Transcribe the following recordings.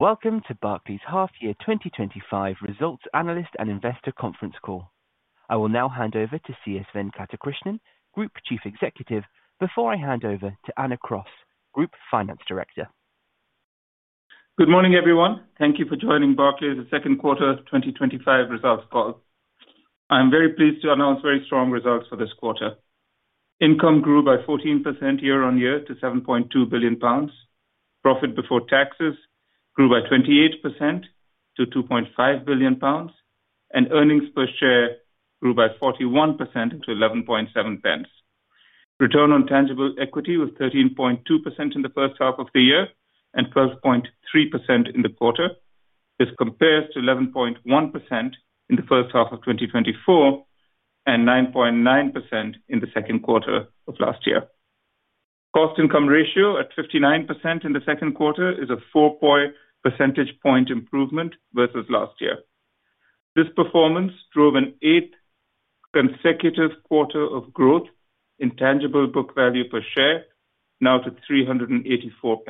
Welcome to Barclays Half-Year 2025 Results Analyst and Investor Conference Call. I will now hand over to C.S. Venkatakrishnan, Group Chief Executive, before I hand over to Anna Cross, Group Finance Director. Good morning, everyone. Thank you for joining Barclays' Second Quarter 2025 Results Call. I am very pleased to announce very strong results for this quarter. Income grew by 14% year-on-year to 7.2 billion pounds. Profit before taxes grew by 28% to 2.5 billion pounds, and earnings per share grew by 41% to 11.70. Return on tangible equity was 13.2% in the 1st half of the year and 12.3% in the quarter. This compares to 11.1% in the 1st half of 2024 and 9.9% in the 2nd quarter of last year. Cost-to-income ratio at 59% in the 2nd quarter is a 4.0 percentage point improvement versus last year. This performance drove an 8th consecutive quarter of growth in tangible book value per share, now to 384.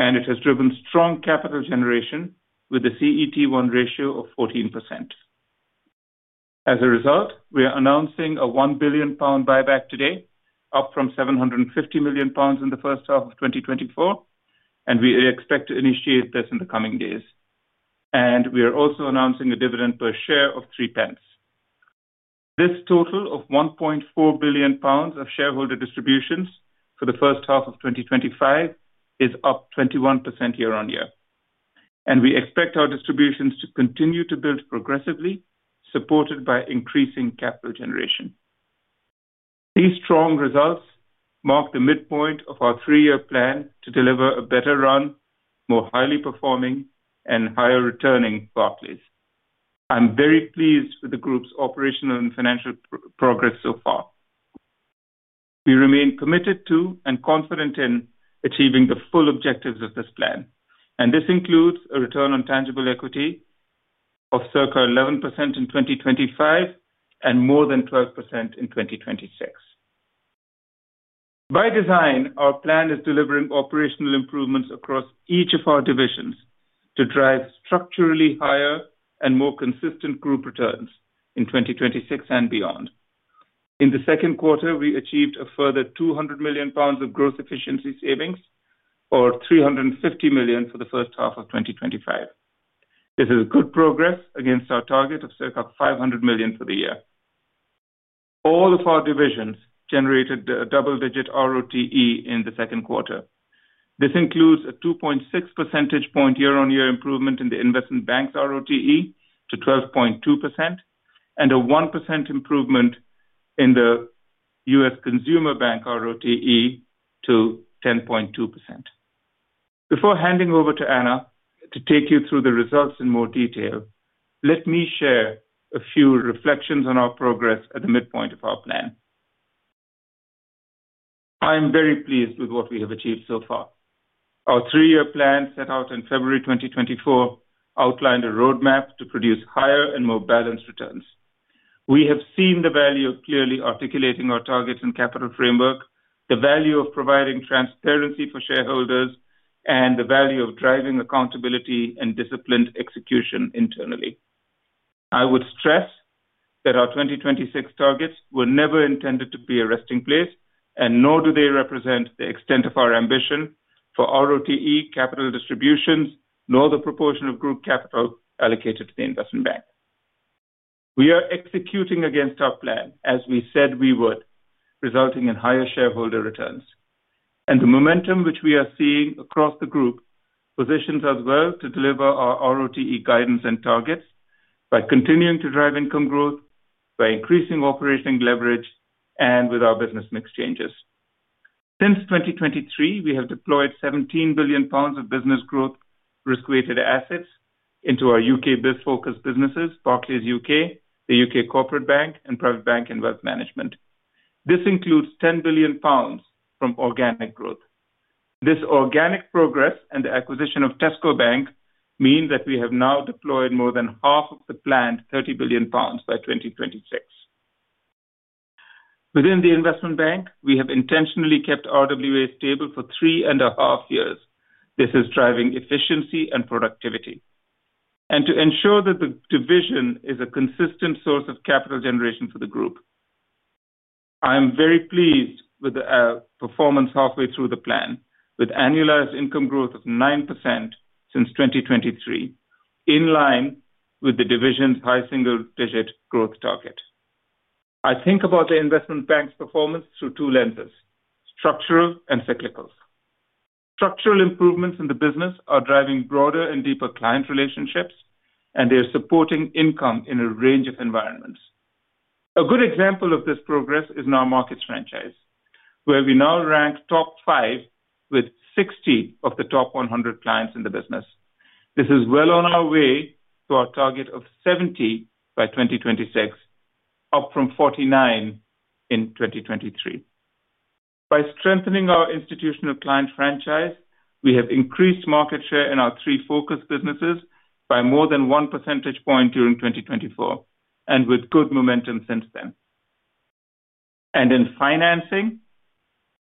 It has driven strong capital generation with a CET1 ratio of 14%. As a result, we are announcing a GBP 1 billion buyback today, up from 750 million pounds in the 1st half of 2024, and we expect to initiate this in the coming days. We are also announcing a dividend per share of 0.03. This total of 1.4 billion pounds of shareholder distributions for the 1st half of 2025 is up 21% year-on-year. We expect our distributions to continue to build progressively, supported by increasing capital generation. These strong results mark the midpoint of our three-year plan to deliver a better run, more highly performing, and higher-returning Barclays. I am very pleased with the Group's operational and financial progress so far. We remain committed to and confident in achieving the full objectives of this plan, and this includes a return on tangible equity of circa 11% in 2025 and more than 12% in 2026. By design, our plan is delivering operational improvements across each of our divisions to drive structurally higher and more consistent group returns in 2026 and beyond. In the 2nd quarter, we achieved a further 200 million pounds of gross efficiency savings, or 350 million for the 1st half of 2025. This is good progress against our target of circa 500 million for the year. All of our divisions generated a double-digit ROTE in the 2nd quarter. This includes a 2.6 percentage point year-on-year improvement in the investment bank's ROTE to 12.2% and a 1% improvement in the U.S. Consumer Bank ROTE to 10.2%. Before handing over to Anna to take you through the results in more detail, let me share a few reflections on our progress at the midpoint of our plan. I am very pleased with what we have achieved so far. Our three-year plan set out in February 2024 outlined a roadmap to produce higher and more balanced returns. We have seen the value of clearly articulating our targets and capital framework, the value of providing transparency for shareholders, and the value of driving accountability and disciplined execution internally. I would stress that our 2026 targets were never intended to be a resting place, and nor do they represent the extent of our ambition for ROTE capital distributions, nor the proportion of group capital allocated to the investment bank. We are executing against our plan, as we said we would, resulting in higher shareholder returns. The momentum which we are seeing across the Group positions us well to deliver our ROTE guidance and targets by continuing to drive income growth, by increasing operating leverage, and with our business mix changes. Since 2023, we have deployed 17 billion pounds of business growth risk-weighted assets into our U.K.-based focus businesses: Barclays UK, the U.K. Corporate Bank, and Private Bank Investment Management. This includes 10 billion pounds from organic growth. This organic progress and the acquisition of Tesco Bank mean that we have now deployed more than half of the planned 30 billion pounds by 2026. Within the investment bank, we have intentionally kept RWAs stable for three and a half years. This is driving efficiency and productivity, and to ensure that the division is a consistent source of capital generation for the Group. I am very pleased with the performance halfway through the plan, with annualized income growth of 9% since 2023, in line with the division's high single-digit growth target. I think about the investment bank's performance through two lenses: structural and cyclical. Structural improvements in the business are driving broader and deeper client relationships, and they are supporting income in a range of environments. A good example of this progress is in our markets franchise, where we now rank top five with 60 of the top 100 clients in the business. This is well on our way to our target of 70 by 2026, up from 49 in 2023. By strengthening our institutional client franchise, we have increased market share in our three focus businesses by more than one percentage point during 2024, with good momentum since then. In financing.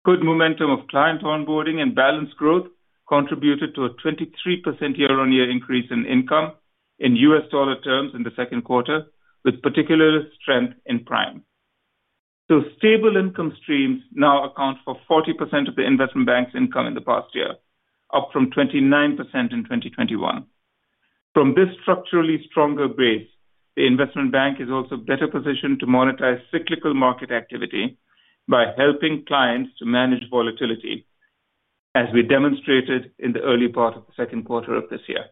Good momentum of client onboarding and balanced growth contributed to a 23% year-on-year increase in income in U.S. dollar terms in the second quarter, with particular strength in prime. Stable income streams now account for 40% of the investment bank's income in the past year, up from 29% in 2021. From this structurally stronger base, the investment bank is also better positioned to monetize cyclical market activity by helping clients to manage volatility, as we demonstrated in the early part of the 2nd quarter of this year.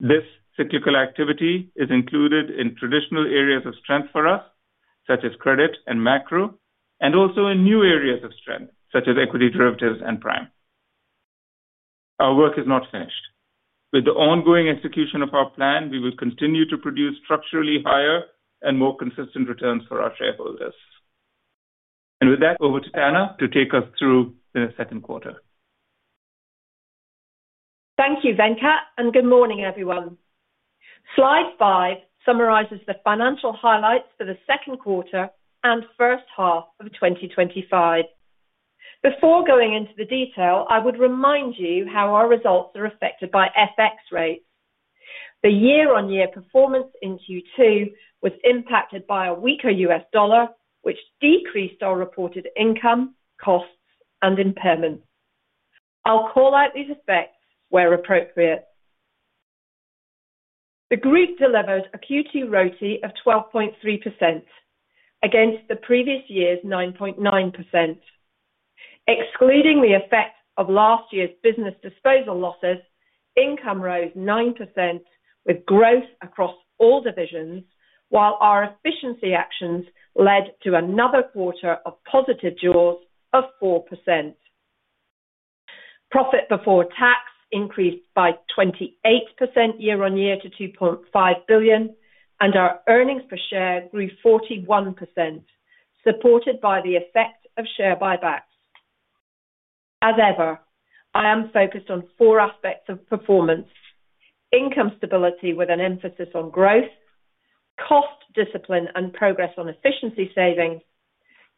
This cyclical activity is included in traditional areas of strength for us, such as credit and macro, and also in new areas of strength, such as equity derivatives and prime. Our work is not finished. With the ongoing execution of our plan, we will continue to produce structurally higher and more consistent returns for our shareholders. With that, over to Anna to take us through the 2nd quarter. Thank you, Venkat, and good morning, everyone. Slide five summarizes the financial highlights for the 2nd quarter and 1st half of 2025. Before going into the detail, I would remind you how our results are affected by FX rates. The year-on-year performance in Q2 was impacted by a weaker U.S. dollar, which decreased our reported income, costs, and impairments. I'll call out these effects where appropriate. The Group delivered a Q2 ROTE of 12.3% against the previous year's 9.9%. Excluding the effect of last year's business disposal losses, income rose 9% with growth across all divisions, while our efficiency actions led to another quarter of positive jaws of 4%. Profit before tax increased by 28% year-on-year to 2.5 billion, and our earnings per share grew 41%, supported by the effect of share buybacks. As ever, I am focused on four aspects of performance: income stability with an emphasis on growth, cost discipline and progress on efficiency savings,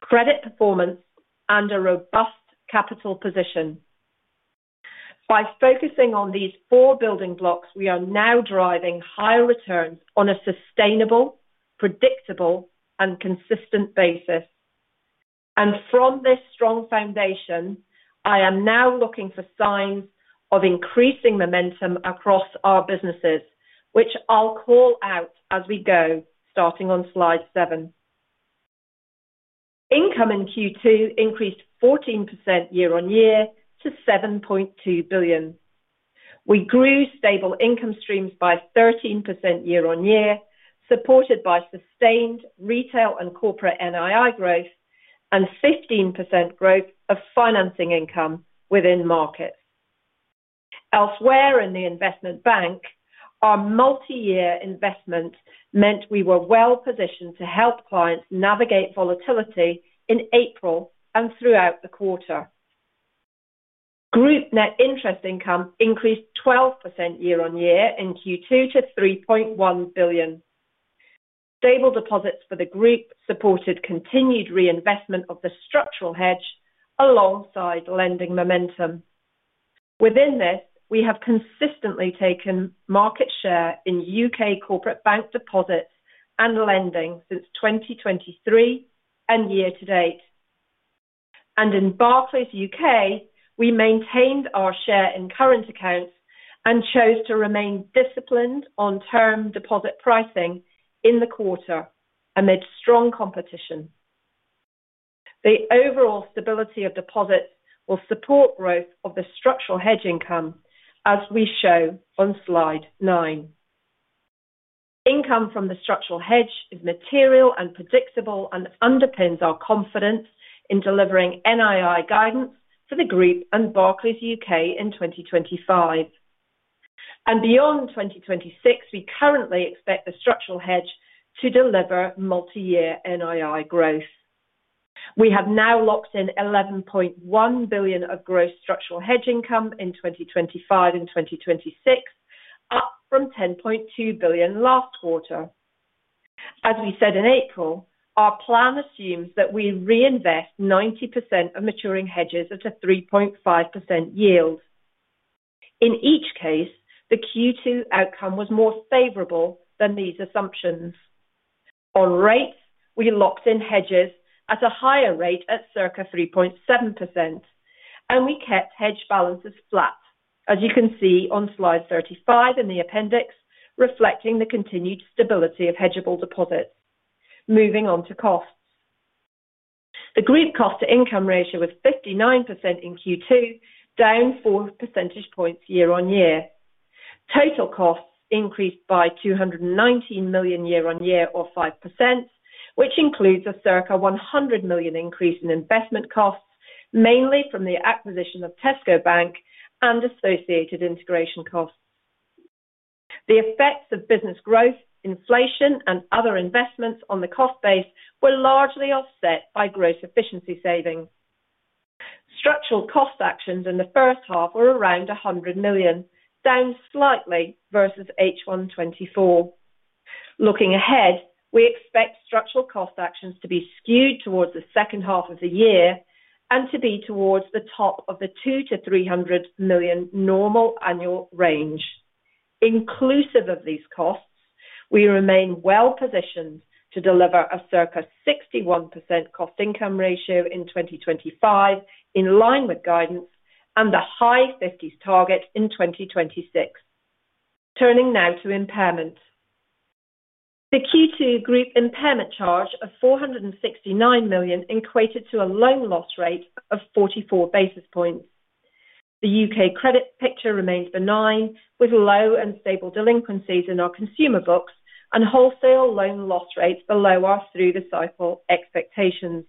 credit performance, and a robust capital position. By focusing on these four building blocks, we are now driving higher returns on a sustainable, predictable, and consistent basis. From this strong foundation, I am now looking for signs of increasing momentum across our businesses, which I'll call out as we go, starting on slide seven. Income in Q2 increased 14% year-on-year to 7.2 billion. We grew stable income streams by 13% year-on-year, supported by sustained retail and corporate NII growth and 15% growth of financing income within markets. Elsewhere in the investment bank, our multi-year investment meant we were well positioned to help clients navigate volatility in April and throughout the quarter. Group net interest income increased 12% year-on-year in Q2 to 3.1 billion. Stable deposits for the Group supported continued reinvestment of the structural hedge alongside lending momentum. Within this, we have consistently taken market share in U.K. corporate bank deposits and lending since 2023 and year to date. In Barclays U.K., we maintained our share in current accounts and chose to remain disciplined on term deposit pricing in the quarter amid strong competition. The overall stability of deposits will support growth of the structural hedge income, as we show on slide nine. Income from the structural hedge is material and predictable and underpins our confidence in delivering NII guidance for the Group and Barclays UK in 2025. Beyond 2026, we currently expect the structural hedge to deliver multi-year NII growth. We have now locked in 11.1 billion of gross structural hedge income in 2025 and 2026, up from 10.2 billion last quarter. As we said in April, our plan assumes that we reinvest 90% of maturing hedges at a 3.5% yield. In each case, the Q2 outcome was more favorable than these assumptions. On rates, we locked in hedges at a higher rate at circa 3.7%. We kept hedge balances flat, as you can see on slide 35 in the appendix, reflecting the continued stability of hedgeable deposits. Moving on to costs. The Group cost-to-income ratio was 59% in Q2, down four percentage points year-on-year. Total costs increased by 219 million year-on-year, or 5%, which includes a circa 100 million increase in investment costs, mainly from the acquisition of Tesco Bank and associated integration costs. The effects of business growth, inflation, and other investments on the cost base were largely offset by gross efficiency savings. Structural cost actions in the 1st half were around 100 million, down slightly versus H1 2024. Looking ahead, we expect structural cost actions to be skewed towards the 2nd half of the year and to be towards the top of the 200-300 million normal annual range. Inclusive of these costs, we remain well positioned to deliver a circa 61% cost-income ratio in 2025, in line with guidance and the high 50s target in 2026. Turning now to impairment. The Q2 Group impairment charge of 469 million equated to a loan loss rate of 44 basis points. The U.K. credit picture remained benign, with low and stable delinquencies in our consumer books and wholesale loan loss rates below our through-the-cycle expectations.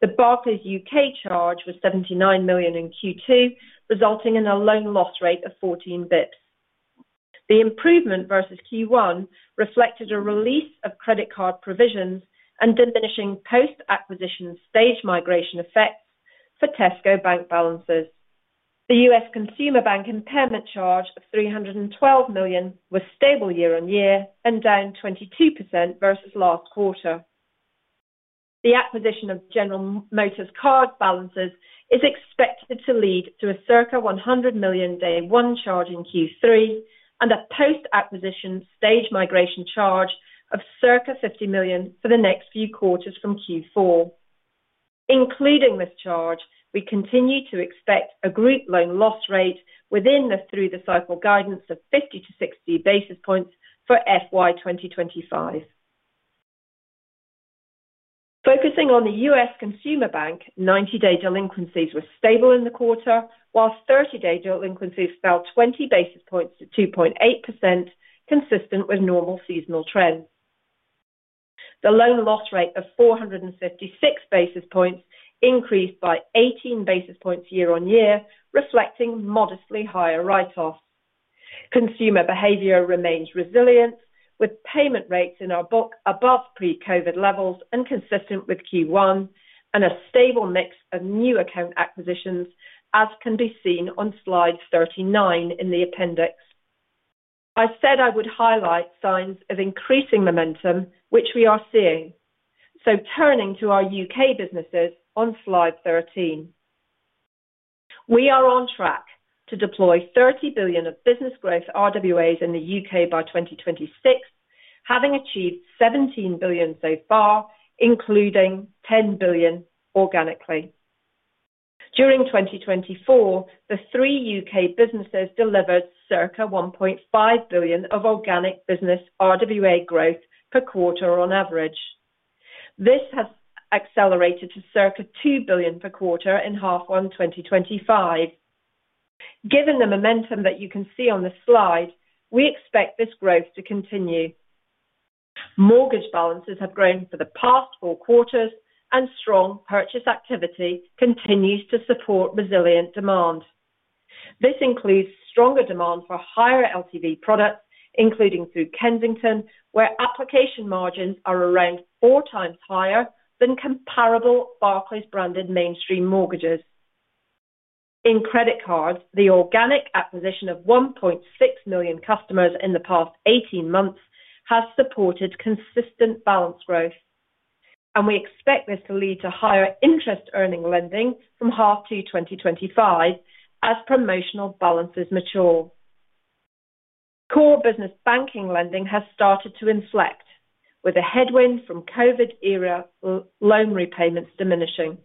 The Barclays UK charge was 79 million in Q2, resulting in a loan loss rate of 14 basis points. The improvement versus Q1 reflected a release of credit card provisions and diminishing post-acquisition stage migration effects for Tesco Bank balances. The U.S. Consumer Bank impairment charge of $312 million was stable year-on-year and down 22% versus last quarter. The acquisition of General Motors' card balances is expected to lead to a circa $100 million day one charge in Q3 and a post-acquisition stage migration charge of circa $50 million for the next few quarters from Q4. Including this charge, we continue to expect a Group loan loss rate within the through-the-cycle guidance of 50-60 basis points for full year 2025. Focusing on the U.S. Consumer Bank, 90-day delinquencies were stable in the quarter, while 30-day delinquencies fell 20 basis points to 2.8%, consistent with normal seasonal trends. The loan loss rate of 456 basis points increased by 18 basis points year-on-year, reflecting modestly higher write-offs. Consumer behavior remains resilient, with payment rates in our book above pre-COVID levels and consistent with Q1, and a stable mix of new account acquisitions, as can be seen on slide 39 in the appendix. I said I would highlight signs of increasing momentum, which we are seeing. Turning to our U.K. businesses on slide 13. We are on track to deploy 30 billion of business growth RWAs in the U.K. by 2026, having achieved 17 billion so far, including 10 billion organically. During 2024, the three U.K. businesses delivered circa 1.5 billion of organic business RWA growth per quarter on average. This has accelerated to circa 2 billion per quarter in half one 2025. Given the momentum that you can see on the slide, we expect this growth to continue. Mortgage balances have grown for the past four quarters, and strong purchase activity continues to support resilient demand. This includes stronger demand for higher LTV products, including through Kensington, where application margins are around four times higher than comparable Barclays-branded mainstream mortgages. In credit cards, the organic acquisition of 1.6 million customers in the past 18 months has supported consistent balance growth. We expect this to lead to higher interest-earning lending from half two 2025 as promotional balances mature. Core business banking lending has started to inflect, with a headwind from COVID-era loan repayments diminishing.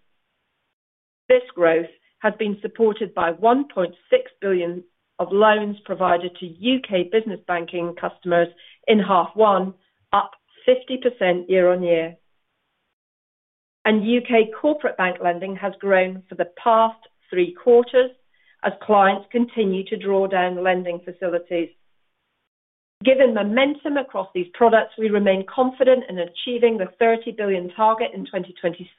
This growth has been supported by 1.6 billion of loans provided to U.K. business banking customers in half one, up 50% year-on-year. U.K. corporate bank lending has grown for the past three quarters as clients continue to draw down lending facilities. Given momentum across these products, we remain confident in achieving the 30 billion target in 2026.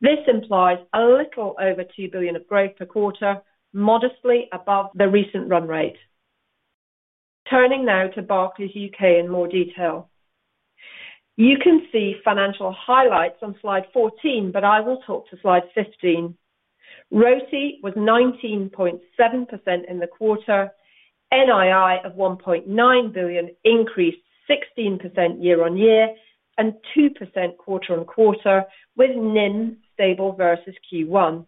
This implies a little over 2 billion of growth per quarter, modestly above the recent run rate. Turning now to Barclays UK in more detail. You can see financial highlights on slide 14, but I will talk to slide 15. ROTE was 19.7% in the quarter, NII of 1.9 billion increased 16% year-on-year and 2% quarter on quarter, with NIM stable versus Q1.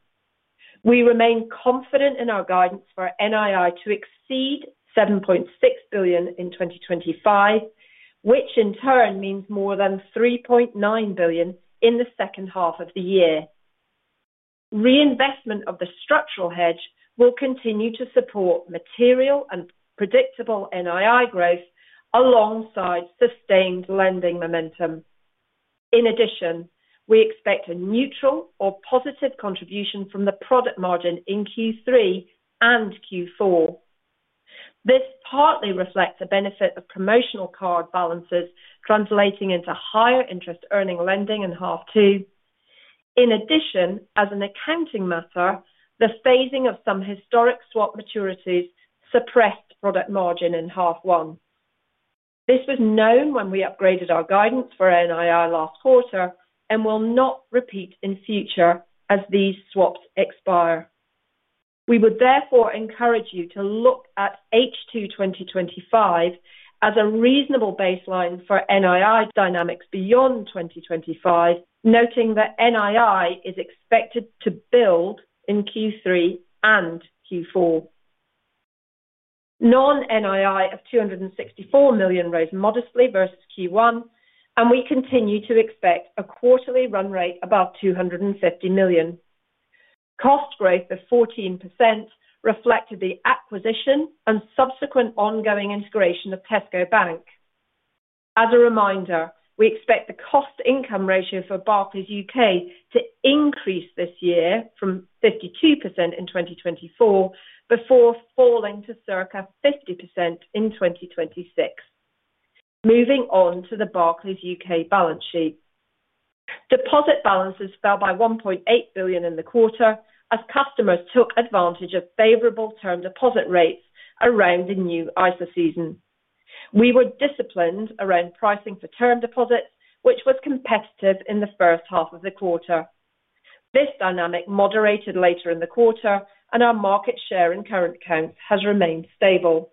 We remain confident in our guidance for NII to exceed 7.6 billion in 2025, which in turn means more than 3.9 billion in the 2nd half of the year. Reinvestment of the structural hedge will continue to support material and predictable NII growth alongside sustained lending momentum. In addition, we expect a neutral or positive contribution from the product margin in Q3 and Q4. This partly reflects the benefit of promotional card balances translating into higher interest-earning lending in half two. In addition, as an accounting matter, the phasing of some historic swap maturities suppressed product margin in half one. This was known when we upgraded our guidance for NII last quarter and will not repeat in future as these swaps expire. We would therefore encourage you to look at H2 2025 as a reasonable baseline for NII dynamics beyond 2025, noting that NII is expected to build in Q3 and Q4. Non-NII of 264 million rose modestly versus Q1, and we continue to expect a quarterly run rate above 250 million. Cost growth of 14% reflected the acquisition and subsequent ongoing integration of Tesco Bank. As a reminder, we expect the cost-income ratio for Barclays UK to increase this year from 52% in 2024 before falling to circa 50% in 2026. Moving on to the Barclays UK balance sheet. Deposit balances fell by 1.8 billion in the quarter as customers took advantage of favorable term deposit rates around the new ISA season. We were disciplined around pricing for term deposits, which was competitive in the 1st half of the quarter. This dynamic moderated later in the quarter, and our market share in current accounts has remained stable.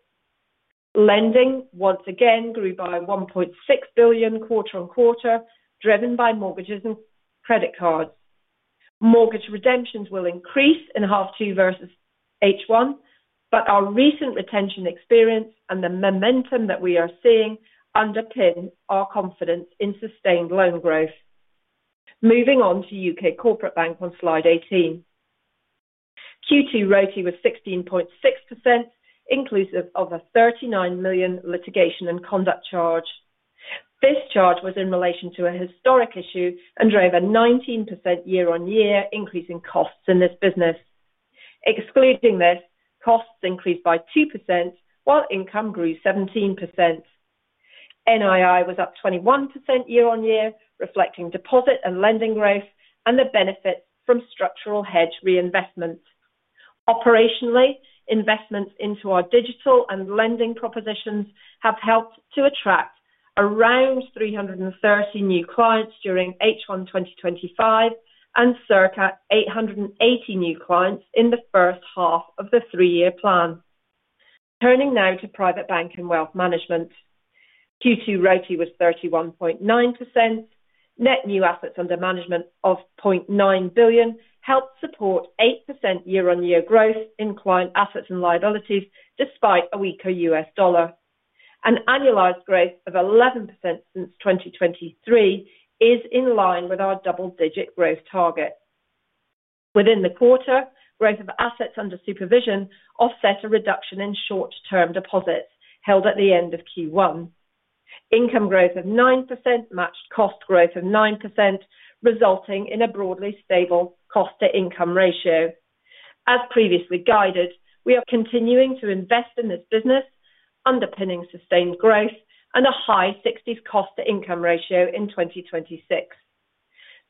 Lending once again grew by 1.6 billion quarter on quarter, driven by mortgages and credit cards. Mortgage redemptions will increase in half two versus H1, but our recent retention experience and the momentum that we are seeing underpin our confidence in sustained loan growth. Moving on to U.K. corporate bank on slide 18. Q2 ROTE was 16.6%, inclusive of a 39 million litigation and conduct charge. This charge was in relation to a historic issue and drove a 19% year-on-year increase in costs in this business. Excluding this, costs increased by 2%, while income grew 17%. NII was up 21% year-on-year, reflecting deposit and lending growth and the benefits from structural hedge reinvestment. Operationally, investments into our digital and lending propositions have helped to attract around 330 new clients during H1 2025 and circa 880 new clients in the 1st half of the three-year plan. Turning now to Private Bank and Wealth Management. Q2 ROTE was 31.9%. Net new assets under management of 0.9 billion helped support 8% year-on-year growth in client assets and liabilities despite a weaker U.S. dollar. An annualized growth of 11% since 2023 is in line with our double-digit growth target. Within the quarter, growth of assets under supervision offset a reduction in short-term deposits held at the end of Q1. Income growth of 9% matched cost growth of 9%, resulting in a broadly stable cost-to-income ratio. As previously guided, we are continuing to invest in this business, underpinning sustained growth and a high 60s cost-to-income ratio in 2026.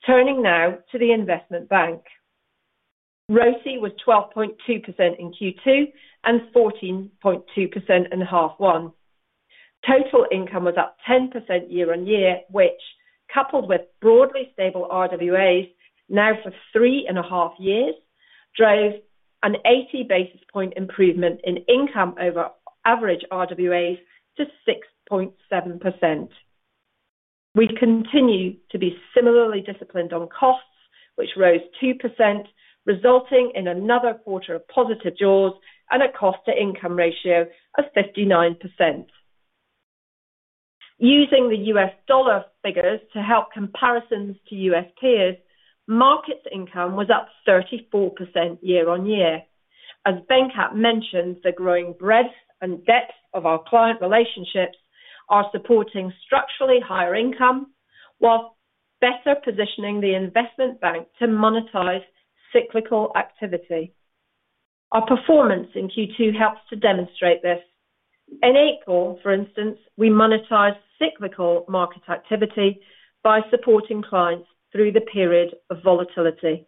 Turning now to the Investment Bank. ROTE was 12.2% in Q2 and 14.2% in half one. Total income was up 10% year-on-year, which, coupled with broadly stable RWAs now for three and a half years, drove an 80 basis point improvement in income over average RWAs to 6.7%. We continue to be similarly disciplined on costs, which rose 2%, resulting in another quarter of positive jaws and a cost-to-income ratio of 59%. Using the U.S. dollar figures to help comparisons to U.S. peers, market income was up 34% year-on-year. As Venkat mentioned, the growing breadth and depth of our client relationships are supporting structurally higher income while better positioning the Investment Bank to monetize cyclical activity. Our performance in Q2 helps to demonstrate this. In April, for instance, we monetized cyclical market activity by supporting clients through the period of volatility.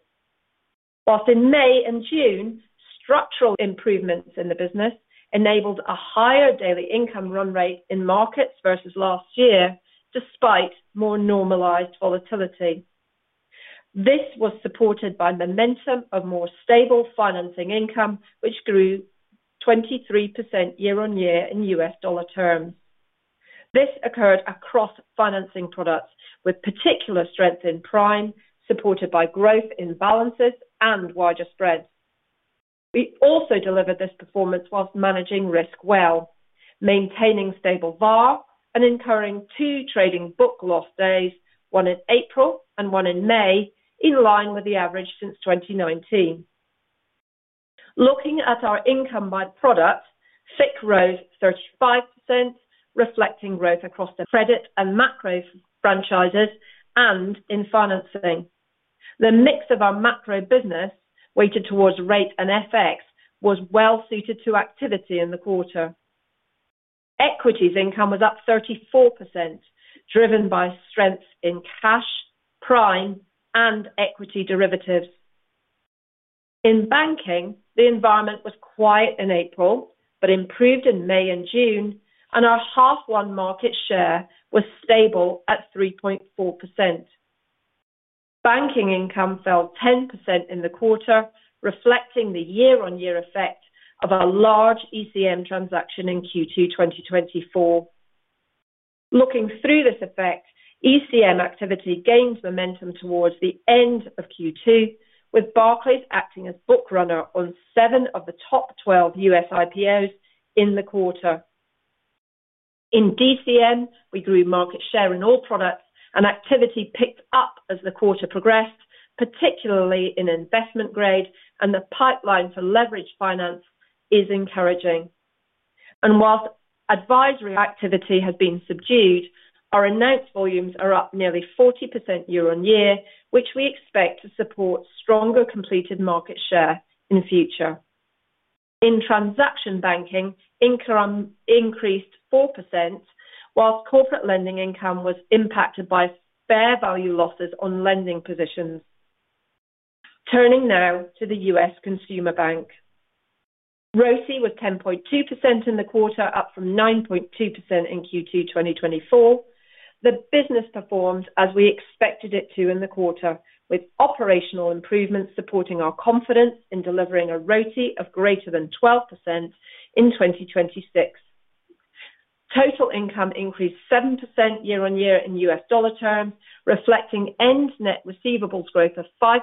Whilst in May and June, structural improvements in the business enabled a higher daily income run rate in markets versus last year, despite more normalized volatility. This was supported by momentum of more stable financing income, which grew 23% year-on-year in U.S. dollar terms. This occurred across financing products, with particular strength in prime, supported by growth in balances and wider spreads. We also delivered this performance whilst managing risk well, maintaining stable VaR and incurring two trading book loss days, one in April and one in May, in line with the average since 2019. Looking at our income by product, FICC rose 35%, reflecting growth across the credit and macro franchises and in financing. The mix of our macro business weighted towards rate and FX was well suited to activity in the quarter. Equities income was up 34%, driven by strength in cash, prime, and equity derivatives. In banking, the environment was quiet in April but improved in May and June, and our half one market share was stable at 3.4%. Banking income fell 10% in the quarter, reflecting the year-on-year effect of a large ECM transaction in Q2 2024. Looking through this effect, ECM activity gained momentum towards the end of Q2, with Barclays acting as book runner on seven of the top 12 U.S. IPOs in the quarter. In DCM, we grew market share in all products, and activity picked up as the quarter progressed, particularly in investment grade, and the pipeline for leverage finance is encouraging. Whilst advisory activity has been subdued, our announced volumes are up nearly 40% year-on-year, which we expect to support stronger completed market share in the future. In transaction banking, income increased 4%, whilst corporate lending income was impacted by fair value losses on lending positions. Turning now to the U.S. consumer bank. ROTA was 10.2% in the quarter, up from 9.2% in Q2 2024. The business performed as we expected it to in the quarter, with operational improvements supporting our confidence in delivering a ROTA of greater than 12% in 2026. Total income increased 7% year-on-year in U.S. dollar terms, reflecting end net receivables growth of 5%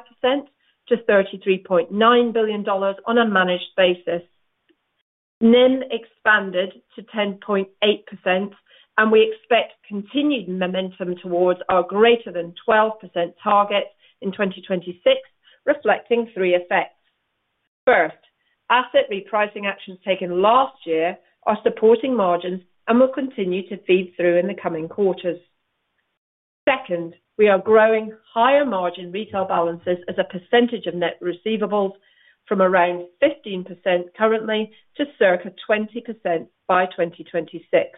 to $33.9 billion on a managed basis. NIM expanded to 10.8%, and we expect continued momentum towards our greater than 12% target in 2026, reflecting three effects. 1st, asset repricing actions taken last year are supporting margins and will continue to feed through in the coming quarters. 2nd, we are growing higher margin retail balances as a percentage of net receivables from around 15% currently to circa 20% by 2026.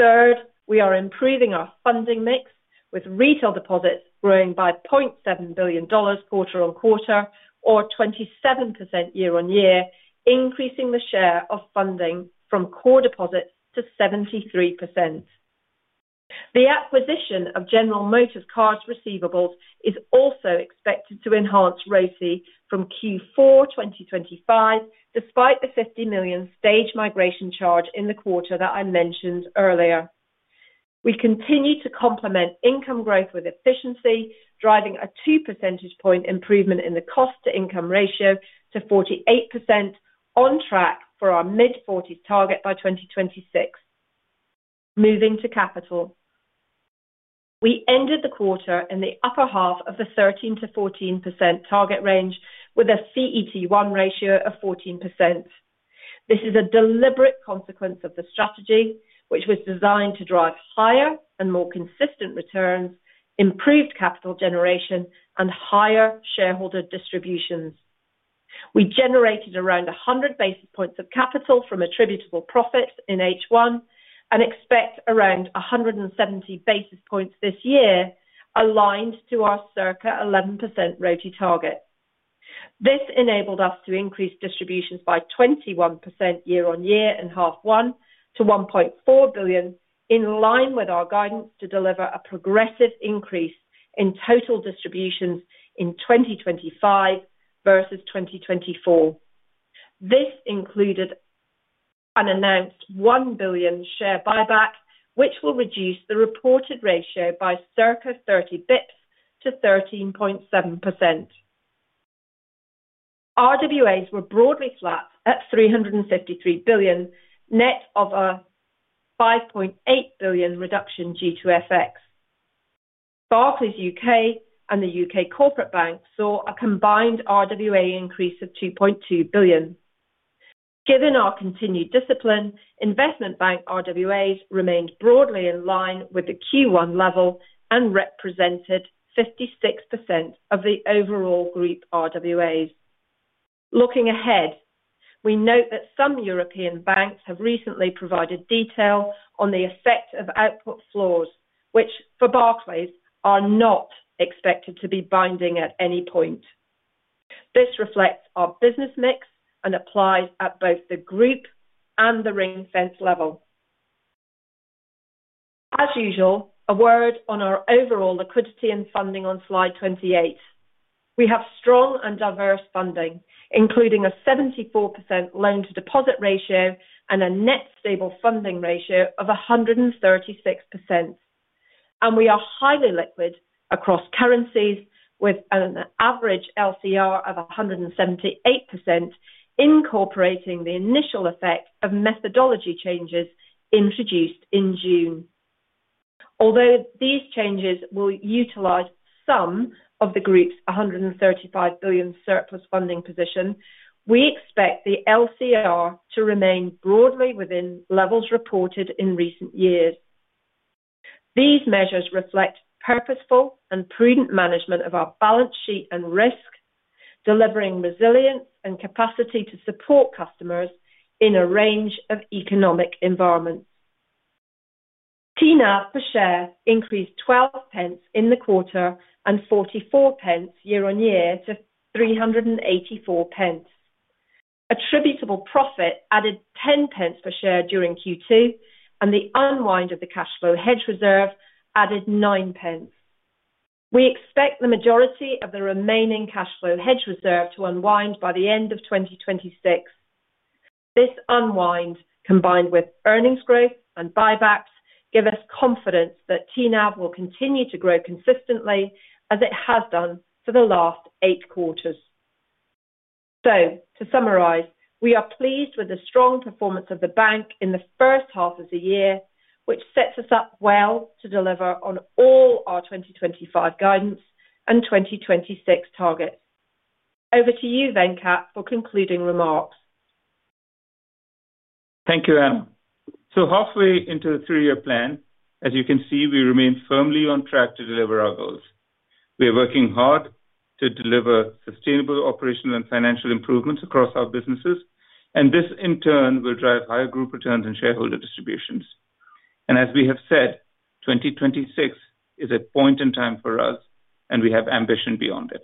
3rd, we are improving our funding mix, with retail deposits growing by $0.7 billion quarter-on-quarter, or 27% year-on-year, increasing the share of funding from core deposits to 73%. The acquisition of General Motors' cards receivables is also expected to enhance ROTA from Q4 2025, despite the $50 million stage migration charge in the quarter that I mentioned earlier. We continue to complement income growth with efficiency, driving a 2 percentage point improvement in the cost-to-income ratio to 48%, on track for our mid-40s target by 2026. Moving to capital. We ended the quarter in the upper half of the 13%-14% target range, with a CET1 ratio of 14%. This is a deliberate consequence of the strategy, which was designed to drive higher and more consistent returns, improved capital generation, and higher shareholder distributions. We generated around 100 basis points of capital from attributable profits in H1 and expect around 170 basis points this year, aligned to our circa 11% ROTE target. This enabled us to increase distributions by 21% year-on-year in half one to $1.4 billion, in line with our guidance to deliver a progressive increase in total distributions in 2025 versus 2024. This included an announced $1 billion share buyback, which will reduce the reported ratio by circa 30 basis points to 13.7%. RWAs were broadly flat at $353 billion, net of a $5.8 billion reduction due to FX. Barclays UK and the U.K. corporate bank saw a combined RWA increase of $2.2 billion. Given our continued discipline, investment bank RWAs remained broadly in line with the Q1 level and represented 56% of the overall group RWAs. Looking ahead, we note that some European banks have recently provided detail on the effect of output floors, which for Barclays are not expected to be binding at any point. This reflects our business mix and applies at both the group and the ring fence level. As usual, a word on our overall liquidity and funding on slide 28. We have strong and diverse funding, including a 74% loan-to-deposit ratio and a net stable funding ratio of 136%. We are highly liquid across currencies, with an average LCR of 178%, incorporating the initial effect of methodology changes introduced in June. Although these changes will utilize some of the group's $135 billion surplus funding position, we expect the LCR to remain broadly within levels reported in recent years. These measures reflect purposeful and prudent management of our balance sheet and risk, delivering resilience and capacity to support customers in a range of economic environments. TNAV per share increased 0.12 in the quarter and 0.44 year-on-year to 3.84. Attributable profit added 0.1 per share during Q2, and the unwind of the cash flow hedge reserve added 0.09. We expect the majority of the remaining cash flow hedge reserve to unwind by the end of 2026. This unwind, combined with earnings growth and buybacks, gives us confidence that TNAV will continue to grow consistently, as it has done for the last eight quarters. To summarize, we are pleased with the strong performance of the bank in the 1st half of the year, which sets us up well to deliver on all our 2025 guidance and 2026 targets. Over to you, Venkat, for concluding remarks. Thank you, Anna. Halfway into the three-year plan, as you can see, we remain firmly on track to deliver our goals. We are working hard to deliver sustainable operational and financial improvements across our businesses, and this, in turn, will drive higher group returns and shareholder distributions. As we have said, 2026 is a point in time for us, and we have ambition beyond it.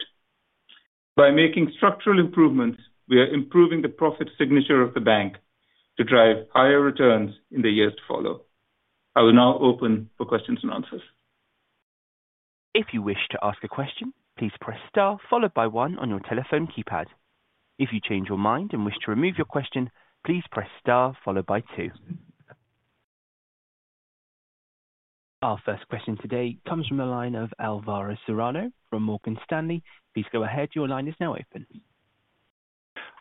By making structural improvements, we are improving the profit signature of the bank to drive higher returns in the years to follow. I will now open for questions and answers. If you wish to ask a question, please press star followed by one on your telephone keypad. If you change your mind and wish to remove your question, please press star followed by two. Our first question today comes from the line of Alvaro Serrano from Morgan Stanley. Please go ahead. Your line is now open.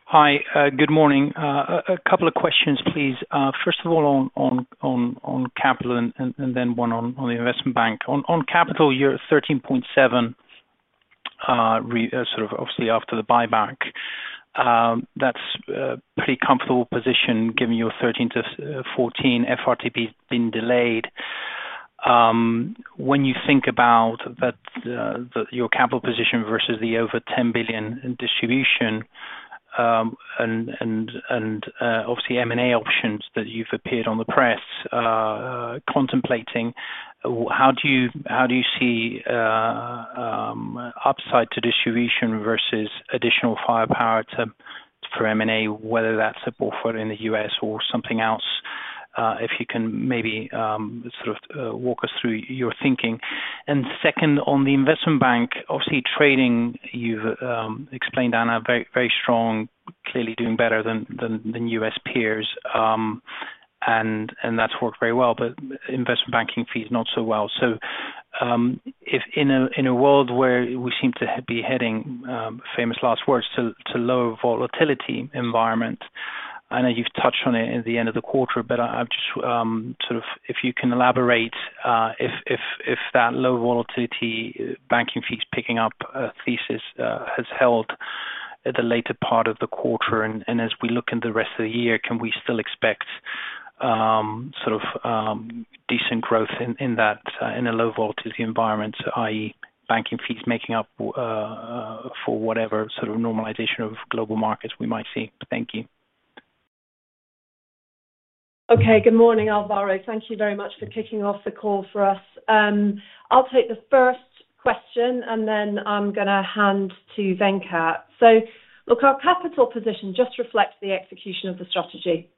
Hi, good morning. A couple of questions, please. 1st of all, on capital and then one on the investment bank. On capital, you are at 13.7. Obviously after the buyback. That is a pretty comfortable position given your 13-14. FRTB has been delayed. When you think about your capital position versus the over $10 billion distribution, and obviously M&A options that you have appeared on the press contemplating, how do you see upside to distribution versus additional firepower for M&A, whether that is a portfolio in the U.S. or something else? If you can maybe sort of walk us through your thinking. 2nd, on the investment bank, obviously trading, you have explained, Anna, very strong, clearly doing better than U.S. peers. That has worked very well, but investment banking fees not so well. In a world where we seem to be heading, famous last words, to a low volatility environment, I know you have touched on it at the end of the quarter, but I am just sort of, if you can elaborate, if that low volatility banking fees picking up thesis has held at the later part of the quarter, and as we look in the rest of the year, can we still expect decent growth in a low volatility environment, i.e., banking fees making up for whatever sort of normalization of global markets we might see? Thank you. Okay, good morning, Alvaro. Thank you very much for kicking off the call for us. I'll take the 1st question, and then I'm going to hand to Venkat. Look, our capital position just reflects the execution of the strategy.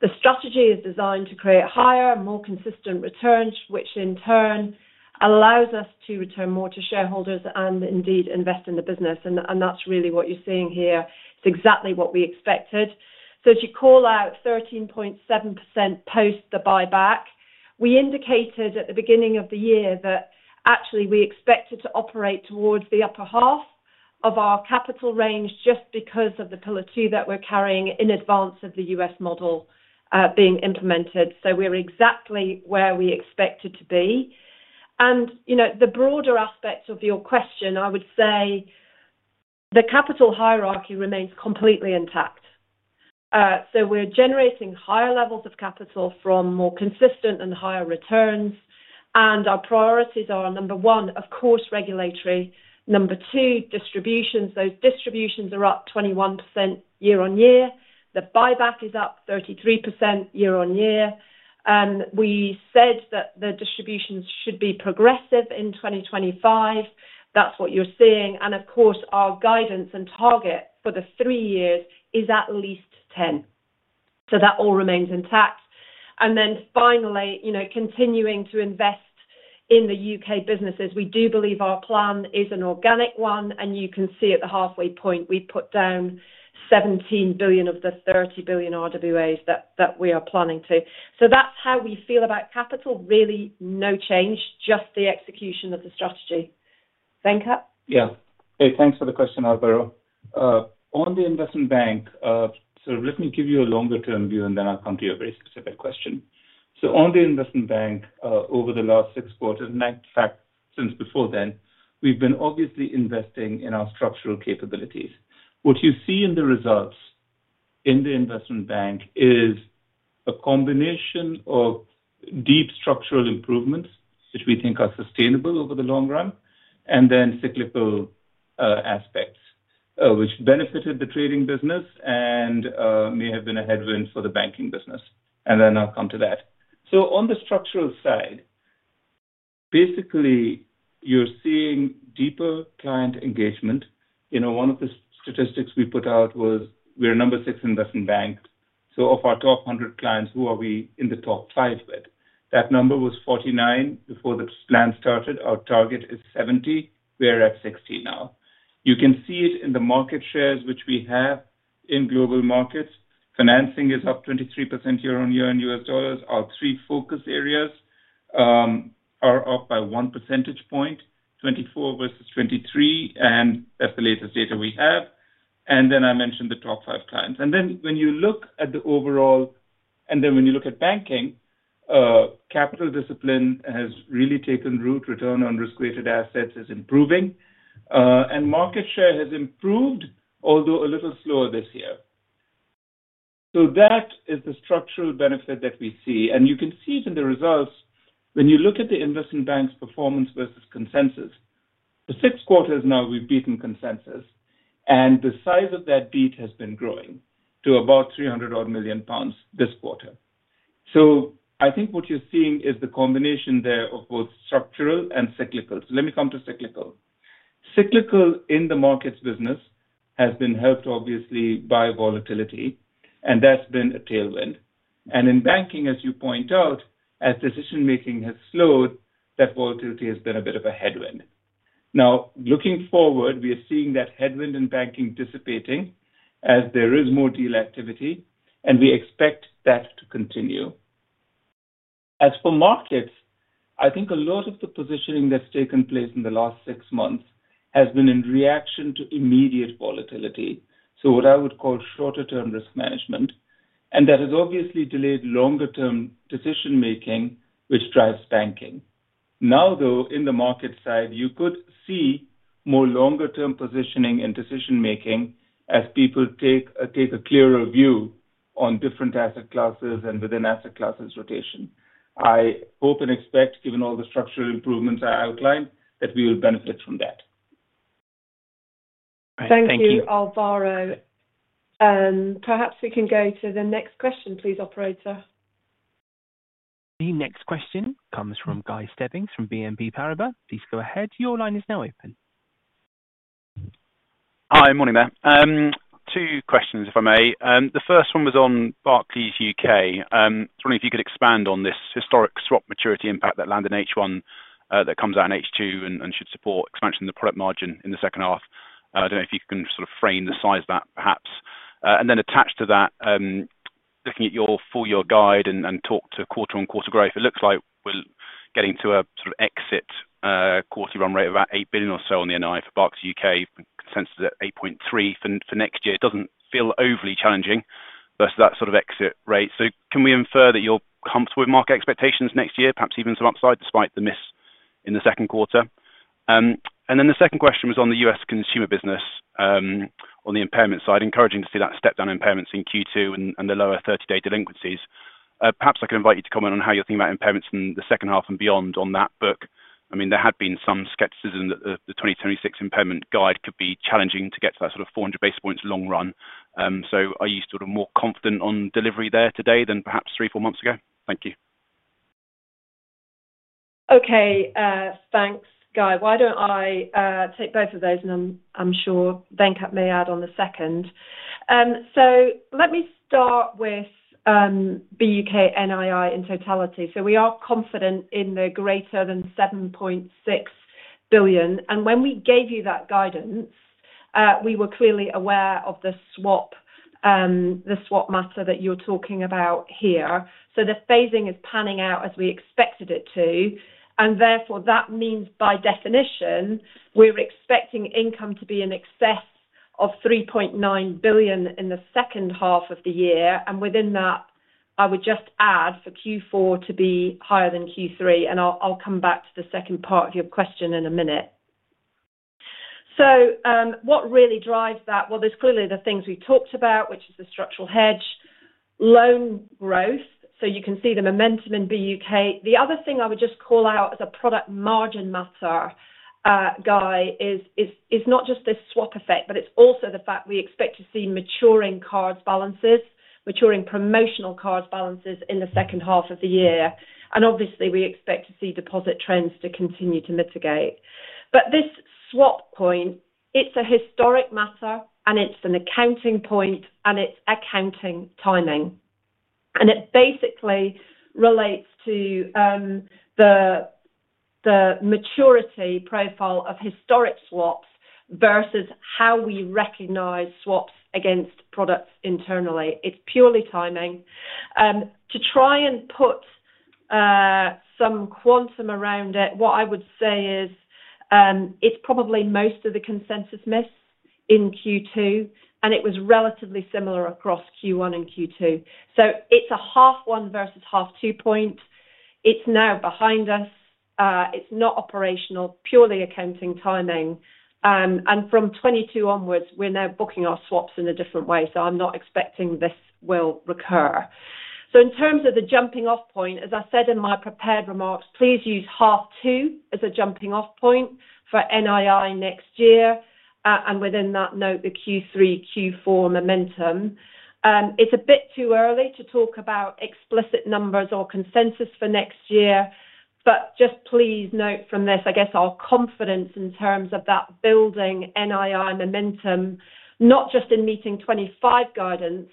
The strategy is designed to create higher and more consistent returns, which in turn allows us to return more to shareholders and indeed invest in the business. That's really what you're seeing here. It's exactly what we expected. As you call out, 13.7% post the buyback, we indicated at the beginning of the year that actually we expected to operate towards the upper half of our capital range just because of the pillar two that we're carrying in advance of the U.S. model being implemented. We're exactly where we expected to be. The broader aspects of your question, I would say, the capital hierarchy remains completely intact. We're generating higher levels of capital from more consistent and higher returns. Our priorities are, number one, of course, regulatory. Number two, distributions. Those distributions are up 21% year-on-year. The buyback is up 33% year-on-year. We said that the distributions should be progressive in 2025. That's what you're seeing. Of course, our guidance and target for the three years is at least 10. That all remains intact. Finally, continuing to invest in the U.K. businesses, we do believe our plan is an organic one. You can see at the halfway point, we put down $17 billion of the $30 billion RWAs that we are planning to. That's how we feel about capital. Really no change, just the execution of the strategy. Venkat? Yeah. Hey, thanks for the question, Alvaro. On the investment bank, let me give you a longer-term view, and then I'll come to your very specific question. On the investment bank, over the last six quarters, in fact, since before then, we've been obviously investing in our structural capabilities. What you see in the results in the investment bank is a combination of deep structural improvements, which we think are sustainable over the long run, and then cyclical aspects, which benefited the trading business and may have been a headwind for the banking business. I'll come to that. On the structural side, basically, you're seeing deeper client engagement. One of the statistics we put out was we're number six investment bank. Of our top 100 clients, who are we in the top five with? That number was 49 before the plan started. Our target is 70. We're at 60 now. You can see it in the market shares which we have in global markets. Financing is up 23% year-on-year in U.S. dollars. Our three focus areas are up by one percentage point, 24 versus 23, and that's the latest data we have. I mentioned the top five clients. When you look at the overall, and when you look at banking, capital discipline has really taken root. Return on risk-weighted assets is improving. Market share has improved, although a little slower this year. That is the structural benefit that we see. You can see it in the results. When you look at the investment bank's performance versus consensus, the six quarters now, we've beaten consensus. The size of that beat has been growing to about 300 million pounds this quarter. I think what you're seeing is the combination there of both structural and cyclical. Let me come to cyclical. Cyclical in the markets business has been helped, obviously, by volatility. That's been a tailwind. In banking, as you point out, as decision-making has slowed, that volatility has been a bit of a headwind. Now, looking forward, we are seeing that headwind in banking dissipating as there is more deal activity. We expect that to continue. As for markets, I think a lot of the positioning that's taken place in the last six months has been in reaction to immediate volatility. What I would call shorter-term risk management. That has obviously delayed longer-term decision-making, which drives banking. Now, though, in the market side, you could see more longer-term positioning and decision-making as people take a clearer view on different asset classes and within asset classes rotation. I hope and expect, given all the structural improvements I outlined, that we will benefit from that. Thank you, Alvaro. Perhaps we can go to the next question, please, operator. The next question comes from Guy Stebbings from BNP Paribas. Please go ahead. Your line is now open. Hi, morning, there. Two questions, if I may. The 1st one was on Barclays UK. I was wondering if you could expand on this historic swap maturity impact that landed in H1 that comes out in H2 and should support expansion of the product margin in the 2nd half. I don't know if you can sort of frame the size of that, perhaps. And then attached to that. Looking at your four-year guide and talk to quarter-on-quarter growth, it looks like we're getting to a sort of exit quarterly run rate of about $8 billion or so on the NII for Barclays UK. Consensus is at $8.3 billion for next year. It does not feel overly challenging versus that sort of exit rate. Can we infer that you're comfortable with market expectations next year, perhaps even some upside despite the miss in the 2nd quarter? The 2nd question was on the U.S. consumer business. On the impairment side, encouraging to see that step down impairments in Q2 and the lower 30-day delinquencies. Perhaps I can invite you to comment on how you're thinking about impairments in the 2nd half and beyond on that book. I mean, there had been some skepticism that the 2026 impairment guide could be challenging to get to that sort of 400 basis points long run. Are you sort of more confident on delivery there today than perhaps three, four months ago? Thank you. Okay, thanks, Guy. Why do not I take both of those? I am sure Venkat may add on the second. Let me start with BUK NII in totality. We are confident in the greater than $7.6 billion. When we gave you that guidance, we were clearly aware of the swap matter that you're talking about here. The phasing is panning out as we expected it to. Therefore, that means by definition, we're expecting income to be in excess of $3.9 billion in the 2nd half of the year. Within that, I would just add for Q4 to be higher than Q3. I will come back to the 2nd part of your question in a minute. What really drives that? There are clearly the things we talked about, which is the structural hedge, loan growth. You can see the momentum in BUK. The other thing I would just call out as a product margin matter, Guy, is not just this swap effect, but it is also the fact we expect to see maturing cards balances, maturing promotional cards balances in the 2nd half of the year. Obviously, we expect to see deposit trends to continue to mitigate. This swap point, it is a historic matter, and it is an accounting point, and it is accounting timing. It basically relates to the maturity profile of historic swaps versus how we recognize swaps against products internally. It is purely timing. To try and put some quantum around it, what I would say is it is probably most of the consensus miss in Q2, and it was relatively similar across Q1 and Q2. So, it's a half-one versus half-two point. It's now behind us. It's not operational, purely accounting timing. And from 2022 onwards, we're now booking our swaps in a different way. So, I'm not expecting this will recur. In terms of the jumping-off point, as I said in my prepared remarks, please use half-two as a jumping-off point for NII next year. Within that note, the Q3, Q4 momentum. It's a bit too early to talk about explicit numbers or consensus for next year. Just please note from this, I guess our confidence in terms of that building NII momentum, not just in meeting 2025 guidance,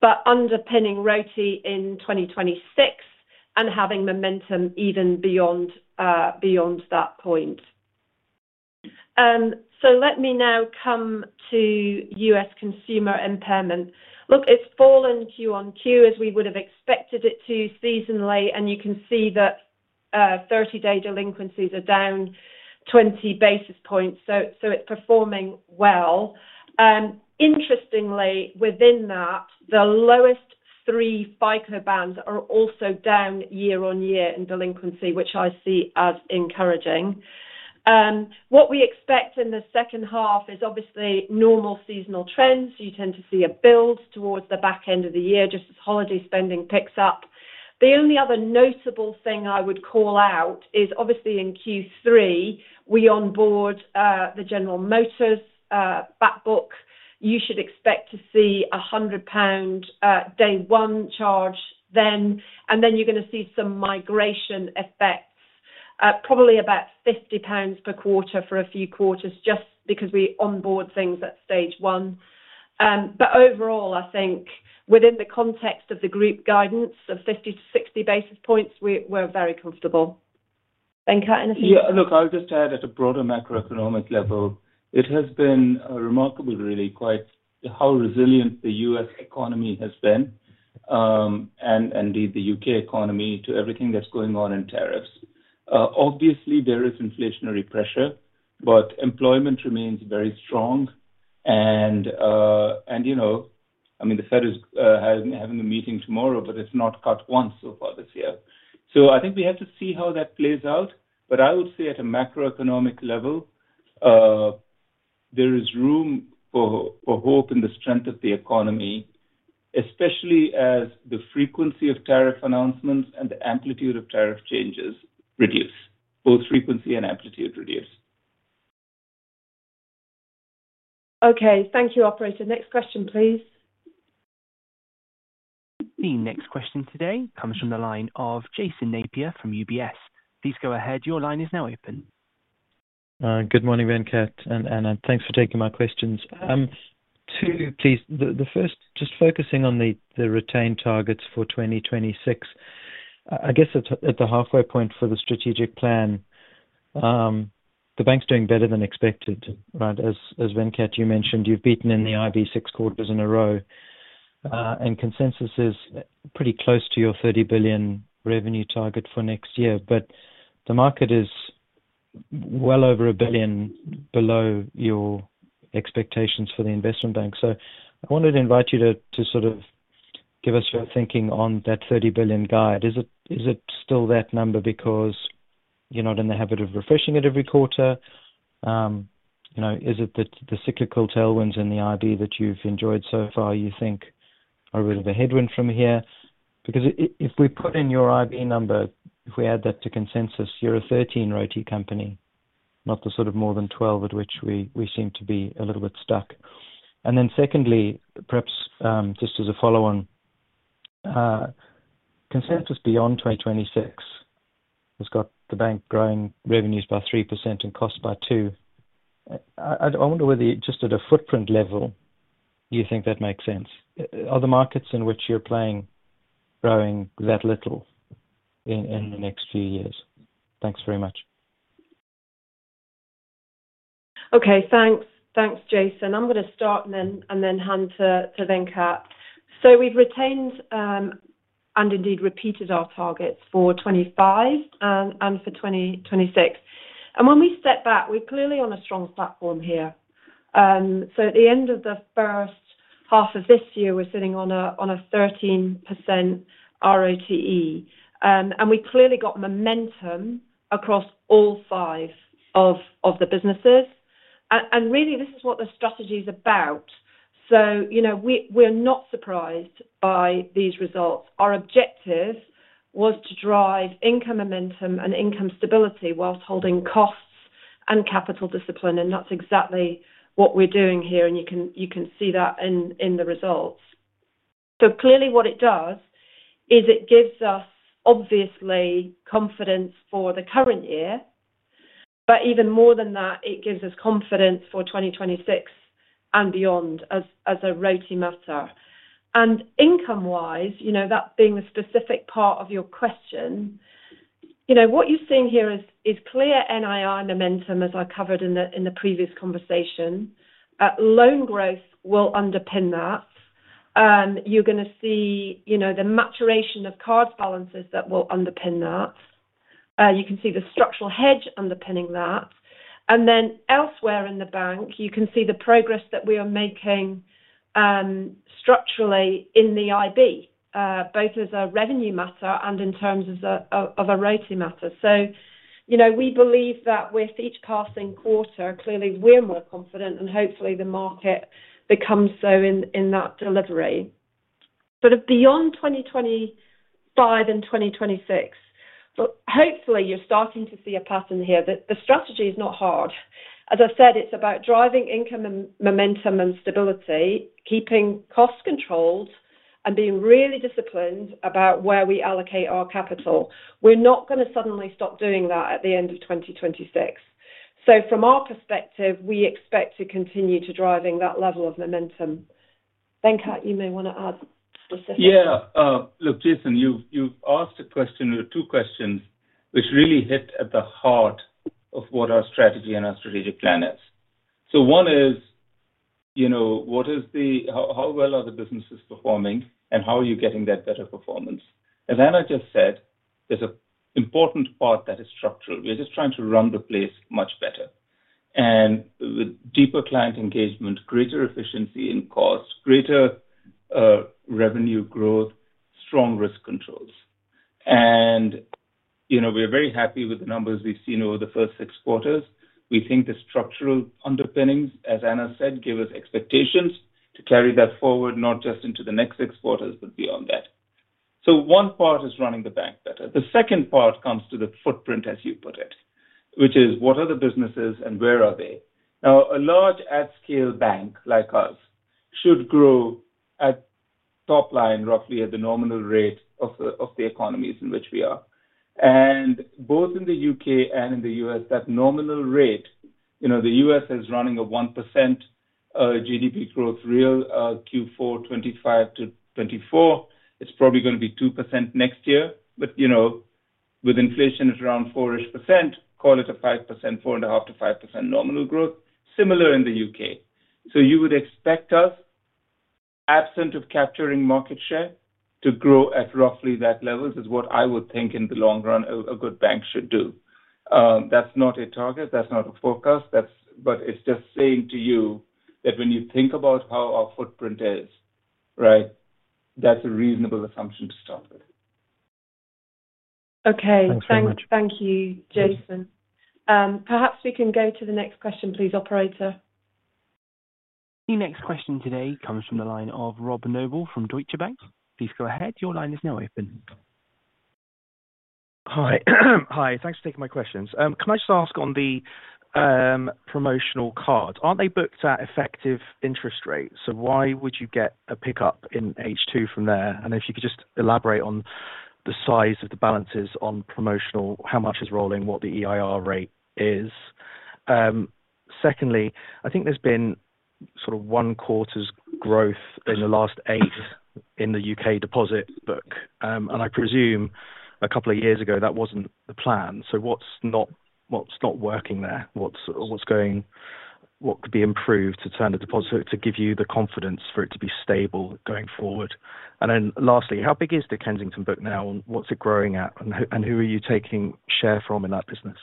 but underpinning ROTE in 2026 and having momentum even beyond that point. Let me now come to U.S. consumer impairment. Look, it's fallen Q on Q as we would have expected it to seasonally. You can see that 30-day delinquencies are down 20 basis points. It's performing well. Interestingly, within that, the lowest three FICO bands are also down year-on-year in delinquency, which I see as encouraging. What we expect in the 2nd half is obviously normal seasonal trends. You tend to see a build towards the back end of the year just as holiday spending picks up. The only other notable thing I would call out is obviously in Q3, we onboard the General Motors backbook. You should expect to see a 100 pound day one charge then. Then you're going to see some migration effects, probably about 50 pounds per quarter for a few quarters just because we onboard things at stage one. Overall, I think within the context of the group guidance of 50-60 basis points, we're very comfortable. Venkat, anything? Yeah, look, I'll just add at a broader macroeconomic level, it has been remarkable, really, quite how resilient the U.S. economy has been. Indeed the U.K. economy to everything that's going on in tariffs. Obviously, there is inflationary pressure, but employment remains very strong. I mean, the Fed is having a meeting tomorrow, but it's not cut once so far this year. I think we have to see how that plays out. I would say at a macroeconomic level, there is room for hope in the strength of the economy, especially as the frequency of tariff announcements and the amplitude of tariff changes reduce. Both frequency and amplitude reduce. Okay, thank you, operator. Next question, please. The next question today comes from the line of Jason Napier from UBS. Please go ahead. Your line is now open. Good morning, Venkat. And thanks for taking my questions. Two, please. The first, just focusing on the retained targets for 2026. I guess at the halfway point for the strategic plan. The bank's doing better than expected, right? As Venkat, you mentioned, you've beaten in the IB six quarters in a row. And consensus is pretty close to your $30 billion revenue target for next year. The market is well over a billion below your expectations for the investment bank. I wanted to invite you to sort of give us your thinking on that $30 billion guide. Is it still that number because you're not in the habit of refreshing it every quarter? Is it that the cyclical tailwinds in the IB that you've enjoyed so far, you think, are a bit of a headwind from here? Because if we put in your IB number, if we add that to consensus, you're a 13% ROTE company, not the sort of more than 12% at which we seem to be a little bit stuck. Secondly, perhaps just as a follow-on. Consensus beyond 2026 has got the bank growing revenues by 3% and costs by 2%. I wonder whether, just at a footprint level, you think that makes sense. Are the markets in which you're playing growing that little in the next few years? Thanks very much. Okay, thanks. Thanks, Jason. I'm going to start and then hand to Venkat. We've retained and indeed repeated our targets for 2025 and for 2026. When we step back, we're clearly on a strong platform here. At the end of the 1st half of this year, we're sitting on a 13% ROTE. We clearly got momentum across all five of the businesses. This is what the strategy is about. We're not surprised by these results. Our objective was to drive income momentum and income stability whilst holding costs and capital discipline. That's exactly what we're doing here. You can see that in the results. Clearly, what it does is it gives us, obviously, confidence for the current year. Even more than that, it gives us confidence for 2026 and beyond as a ROTE matter. Income-wise, that being the specific part of your question, what you're seeing here is clear NII momentum, as I covered in the previous conversation. Loan growth will underpin that. You're going to see the maturation of cards balances that will underpin that. You can see the structural hedge underpinning that. Elsewhere in the bank, you can see the progress that we are making structurally in the IB, both as a revenue matter and in terms of a ROTE matter. So, we believe that with each passing quarter, clearly, we're more confident, and hopefully, the market becomes so in that delivery. Sort of beyond 2025 and 2026. Hopefully, you're starting to see a pattern here. The strategy is not hard. As I said, it's about driving income momentum and stability, keeping costs controlled, and being really disciplined about where we allocate our capital. We're not going to suddenly stop doing that at the end of 2026. From our perspective, we expect to continue to drive that level of momentum. Venkat, you may want to add specifically. Yeah. Look, Jason, you've asked a question or two questions which really hit at the heart of what our strategy and our strategic plan is. One is. What is the how well are the businesses performing, and how are you getting that better performance? As Anna just said, there's an important part that is structural. We're just trying to run the place much better. And with deeper client engagement, greater efficiency in cost, greater. Revenue growth, strong risk controls. We're very happy with the numbers we've seen over the first six quarters. We think the structural underpinnings, as Anna said, give us expectations to carry that forward, not just into the next six quarters, but beyond that. One part is running the bank better. The 2nd part comes to the footprint, as you put it, which is what are the businesses and where are they? Now, a large at-scale bank like us should grow. At top line, roughly at the nominal rate of the economies in which we are. Both in the U.K. and in the U.S., that nominal rate, the U.S. is running a 1% GDP growth real Q4 2025 to 2024. It's probably going to be 2% next year. With inflation at around 4-ish %, call it a 5%, 4.5-5% nominal growth, similar in the U.K. You would expect us. Absent of capturing market share, to grow at roughly that level is what I would think in the long run a good bank should do. That's not a target. That's not a forecast. It's just saying to you that when you think about how our footprint is, right, that's a reasonable assumption to start with. Okay. Thank you, Jason. Perhaps we can go to the next question, please, operator. The next question today comes from the line of Rob Noble from Deutsche Bank. Please go ahead. Your line is now open. Hi. Hi. Thanks for taking my questions. Can I just ask on the. Promotional cards? Aren't they booked at effective interest rates? Why would you get a pickup in H2 from there? If you could just elaborate on the size of the balances on promotional, how much is rolling, what the EIR rate is. Secondly, I think there's been sort of one quarter's growth in the last eight in the U.K. deposit book. I presume a couple of years ago, that wasn't the plan. What's not working there? What could be improved to turn the deposit to give you the confidence for it to be stable going forward? Lastly, how big is the Kensington book now? What's it growing at? Who are you taking share from in that business?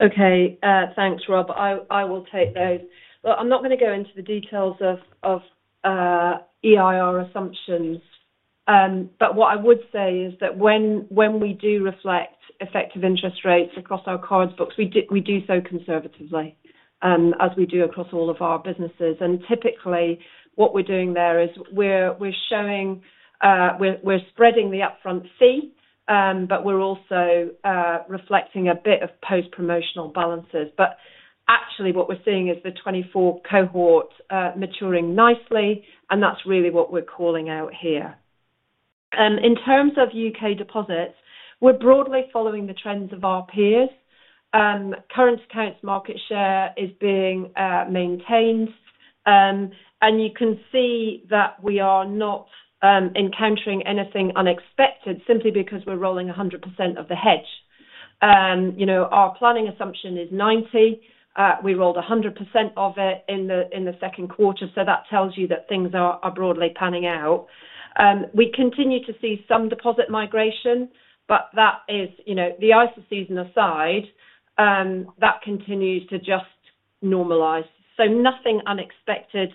Okay. Thanks, Rob. I will take those. I'm not going to go into the details of EIR assumptions. What I would say is that when we do reflect effective interest rates across our cards books, we do so conservatively as we do across all of our businesses. Typically, what we're doing there is we're spreading the upfront fee, but we're also reflecting a bit of post-promotional balances. Actually, what we're seeing is the 2024 cohort maturing nicely. That's really what we're calling out here. In terms of U.K. deposits, we're broadly following the trends of our peers. Current accounts market share is being maintained. You can see that we are not encountering anything unexpected simply because we're rolling 100% of the hedge. Our planning assumption is 90%. We rolled 100% of it in the 2nd quarter. That tells you that things are broadly panning out. We continue to see some deposit migration, but that is the ISA season aside. That continues to just normalize. Nothing unexpected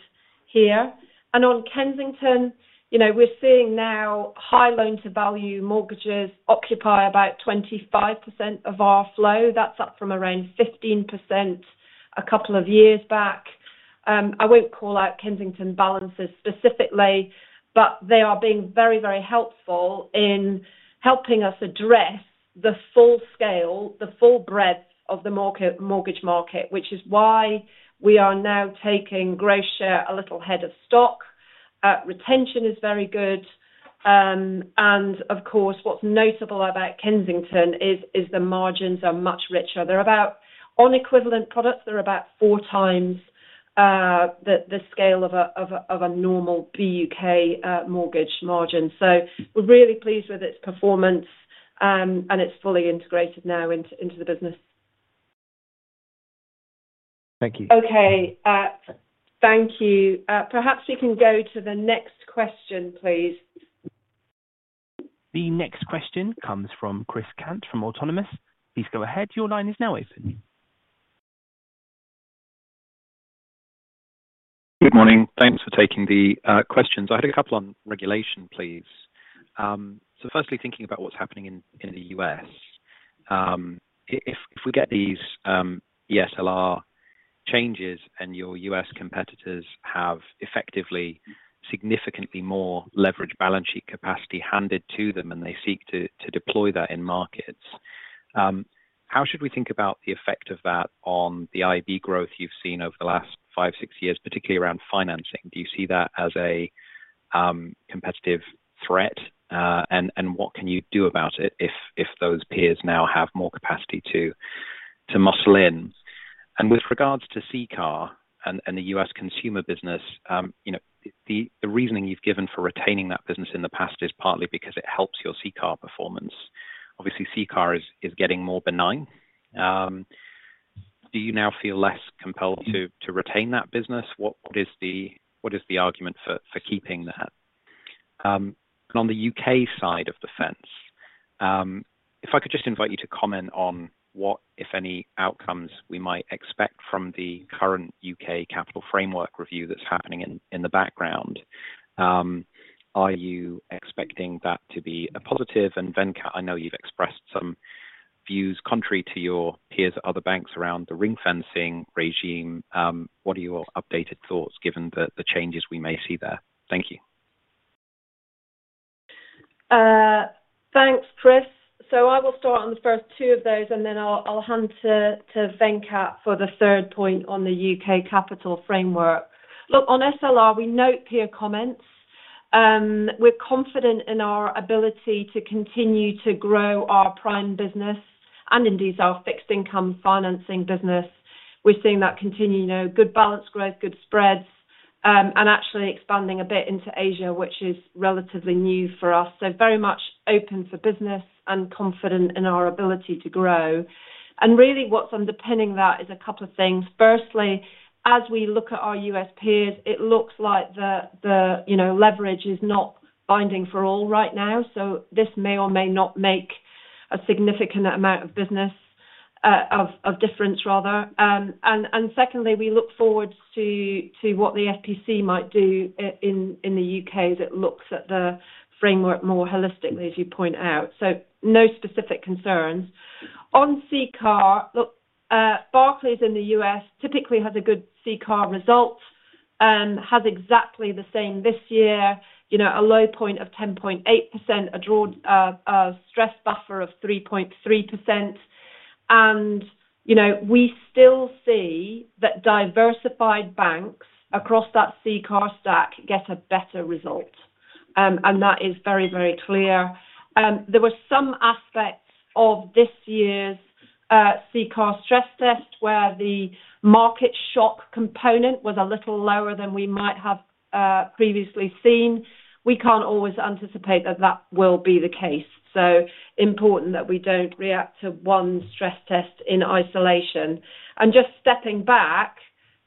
here. On Kensington, we're seeing now high loan-to-value mortgages occupy about 25% of our flow. That's up from around 15% a couple of years back. I won't call out Kensington balances specifically, but they are being very, very helpful in helping us address the full scale, the full breadth of the mortgage market, which is why we are now taking gross share a little ahead of stock. Retention is very good. Of course, what's notable about Kensington is the margins are much richer. On equivalent products, they're about four times the scale of a normal BUK mortgage margin. We're really pleased with its performance. It's fully integrated now into the business. Thank you. Okay. Thank you. Perhaps we can go to the next question, please. The next question comes from Chris Kent from Autonomous. Please go ahead. Your line is now open. Good morning. Thanks for taking the questions. I had a couple on regulation, please. Firstly, thinking about what's happening in the U.S. If we get these SLR changes and your U.S. competitors have effectively significantly more leverage balance sheet capacity handed to them and they seek to deploy that in markets, how should we think about the effect of that on the IB growth you've seen over the last five, six years, particularly around financing? Do you see that as a competitive threat? What can you do about it if those peers now have more capacity to muscle in? With regards to CCAR and the U.S. consumer business, the reasoning you've given for retaining that business in the past is partly because it helps your CCAR performance. Obviously, CCAR is getting more benign. Do you now feel less compelled to retain that business? What is the argument for keeping that? On the U.K. side of the fence, if I could just invite you to comment on what, if any, outcomes we might expect from the current U.K. capital framework review that's happening in the background. Are you expecting that to be a positive? Venkat, I know you've expressed some views contrary to your peers at other banks around the ring-fencing regime. What are your updated thoughts given the changes we may see there? Thank you. Thanks, Chris. I will start on the 1st two of those, and then I'll hand to Venkat for the third point on the U.K. capital framework. Look, on SLR, we note peer comments. We're confident in our ability to continue to grow our prime business and indeed our fixed income financing business. We're seeing that continue. Good balance growth, good spreads, and actually expanding a bit into Asia, which is relatively new for us. Very much open for business and confident in our ability to grow. What's underpinning that is a couple of things. Firstly, as we look at our U.S. peers, it looks like the leverage is not binding for all right now. This may or may not make a significant amount of difference. Secondly, we look forward to what the FPC might do in the U.K. as it looks at the framework more holistically, as you point out. No specific concerns. On CCAR, Barclays in the U.S. typically has a good CCAR result. Has exactly the same this year, a low point of 10.8%, a drawn stress buffer of 3.3%. We still see that diversified banks across that CCAR stack get a better result. That is very, very clear. There were some aspects of this year's CCAR stress test where the market shock component was a little lower than we might have previously seen. We can't always anticipate that that will be the case. Important that we don't react to one stress test in isolation. Just stepping back,